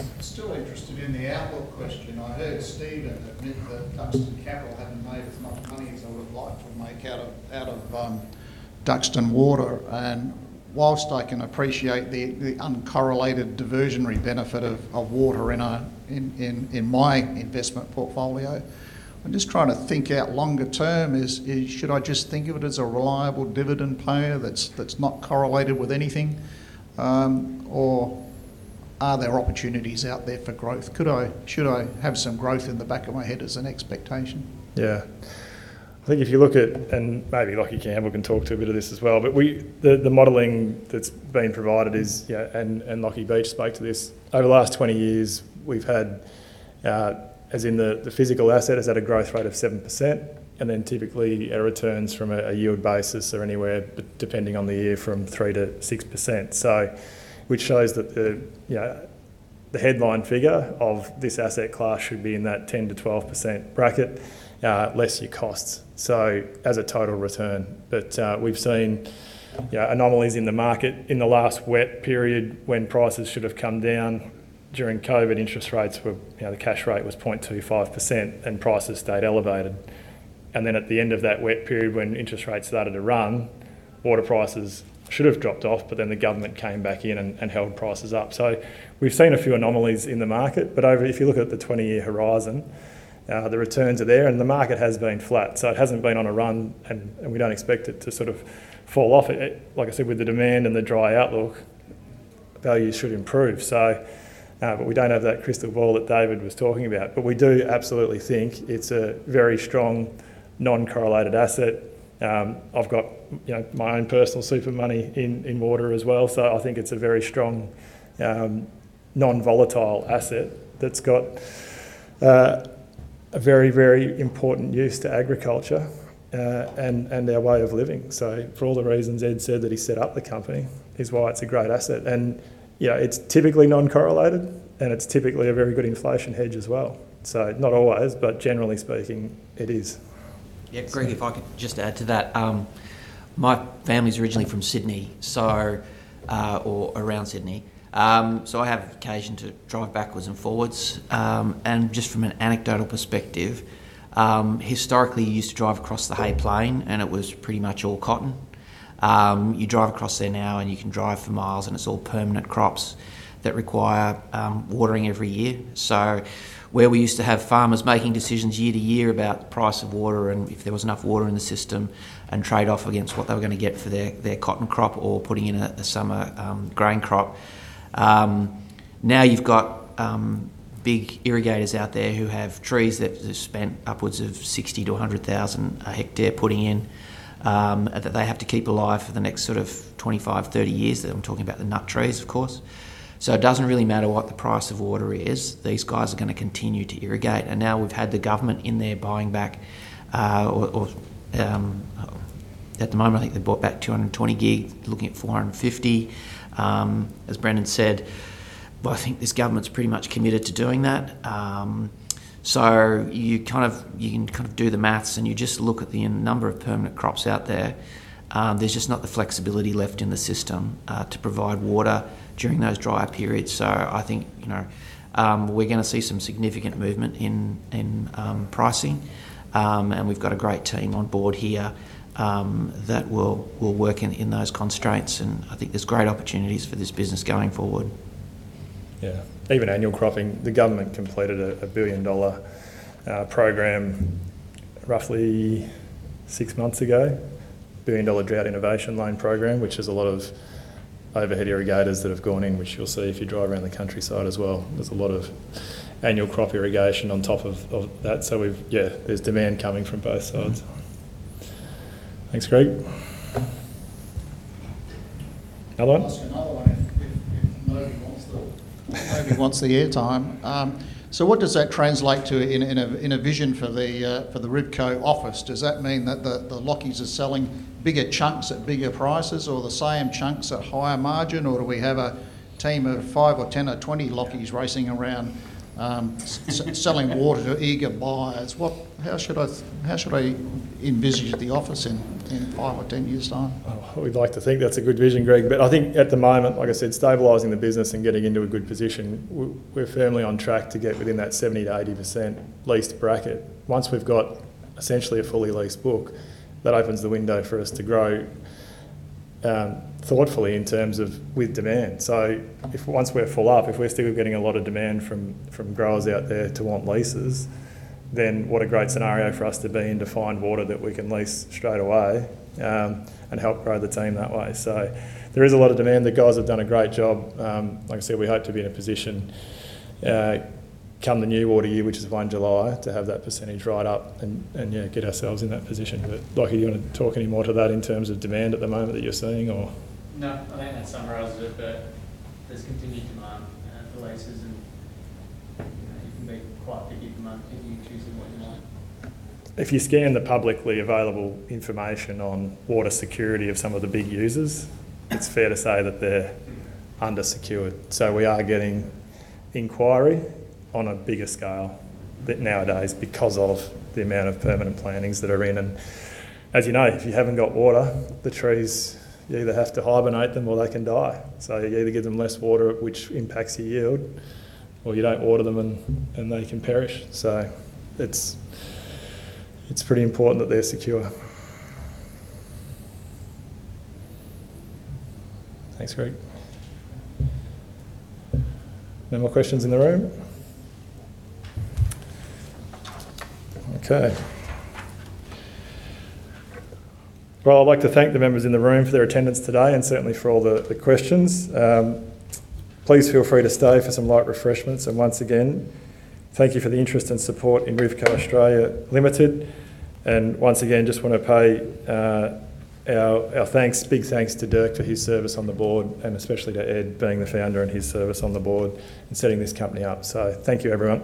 I'm still interested in the outlook question. I heard Stephen admit that Duxton Capital hadn't made as much money as it would have liked to make out of Duxton Water. While I can appreciate the uncorrelated diversionary benefit of water in my investment portfolio, I'm just trying to think out longer-term is, should I just think of it as a reliable dividend payer that's not correlated with anything? Or are there opportunities out there for growth? Should I have some growth in the back of my head as an expectation? Yeah. I think if you look at, and maybe Lachlan Campbell can talk to a bit of this as well, but the modeling that's been provided is, and Lachlan Beech spoke to this, over the last 20 years, we've had, as in the physical asset has had a growth rate of 7%, and then typically our returns from a yield basis are anywhere, depending on the year, from 3%-6%. Which shows that the headline figure of this asset class should be in that 10%-12% bracket, less your costs, so as a total return. We've seen anomalies in the market. In the last wet period, when prices should have come down during COVID, the cash rate was 0.25%, and prices stayed elevated. Then at the end of that wet period, when interest rates started to run, water prices should have dropped off, but then the government came back in and held prices up. We've seen a few anomalies in the market. If you look at the 20-year horizon, the returns are there, and the market has been flat. It hasn't been on a run, and we don't expect it to sort of fall off. Like I said, with the demand and the dry outlook, values should improve. We don't have that crystal ball that David was talking about. We do absolutely think it's a very strong non-correlated asset. I've got my own personal super money in water as well. I think it's a very strong, non-volatile asset that's got a very important use to agriculture and their way of living. For all the reasons Ed said that he set up the company is why it's a great asset. It's typically non-correlated, and it's typically a very good inflation hedge as well. Not always, but generally speaking, it is. Yeah, Greg, if I could just add to that. My family's originally from Sydney, or around Sydney. I have occasion to drive backwards and forwards. Just from an anecdotal perspective, historically, you used to drive across the Hay Plain, and it was pretty much all cotton. You drive across there now, and you can drive for miles, and it's all permanent crops that require watering every year. Where we used to have farmers making decisions year to year about the price of water and if there was enough water in the system and trade off against what they were gonna get for their cotton crop or putting in a summer grain crop, now you've got big irrigators out there who have trees that have spent upwards of 60,000-100,000 a hectare putting in that they have to keep alive for the next sort of 25-30 years. I'm talking about the nut trees, of course. It doesn't really matter what the price of water is. These guys are gonna continue to irrigate. Now we've had the government in there buying back at the moment, I think they bought back 220 gig, looking at 450, as Brendan said. I think this government's pretty much committed to doing that. You can kind of do the math, and you just look at the number of permanent crops out there. There's just not the flexibility left in the system to provide water during those drier periods. I think we're gonna see some significant movement in pricing. We've got a great team on board here that will work in those constraints, and I think there's great opportunities for this business going forward. Yeah. Even annual cropping, the government completed a billion-dollar program roughly six months ago. A billion-dollar drought innovation loan program, which is a lot of overhead irrigators that have gone in, which you'll see if you drive around the countryside as well. There's a lot of annual crop irrigation on top of that. Yeah, there's demand coming from both sides. Thanks, Greg. Anyone? I'll ask another one if nobody wants the airtime. What does that translate to in a vision for the Rivco office? Does that mean that the Lachies are selling bigger chunks at bigger prices or the same chunks at higher margin? Or do we have a team of 5 or 10 or 20 Lachies racing around selling water to eager buyers? How should I envision the office in 5 or 10 years' time? We'd like to think that's a good vision, Greg. I think at the moment, like I said, stabilizing the business and getting into a good position, we're firmly on track to get within that 70%-80% leased bracket. Once we've got essentially a fully leased book, that opens the window for us to grow thoughtfully in terms of with demand. once we're full up, if we're still getting a lot of demand from growers out there to want leases, then what a great scenario for us to be in to find water that we can lease straight away, and help grow the team that way. there is a lot of demand. The guys have done a great job. Like I said, we hope to be in a position, come the new water year, which is 1 July, to have that percentage right up and yeah, get ourselves in that position. Lachie, do you want to talk any more to that in terms of demand at the moment that you're seeing or— No, I think that summarizes it, but there's continued demand for leases, and you can be quite picky at the moment picking and choosing what you like. If you scan the publicly available information on water security of some of the big users, it's fair to say that they're undersecured. We are getting inquiry on a bigger scale nowadays because of the amount of permanent plantings that are in. As you know, if you haven't got water, the trees, you either have to hibernate them or they can die. You either give them less water, which impacts your yield, or you don't water them, and they can perish. It's pretty important that they're secure. Thanks, Greg. No more questions in the room? Okay. Well, I'd like to thank the members in the room for their attendance today and certainly for all the questions. Please feel free to stay for some light refreshments. Once again, thank you for the interest and support in Rivco Australia Limited. Once again, just want to pay our thanks, big thanks to Dirk for his service on the board, and especially to Ed, being the founder and his service on the board in setting this company up. Thank you, everyone.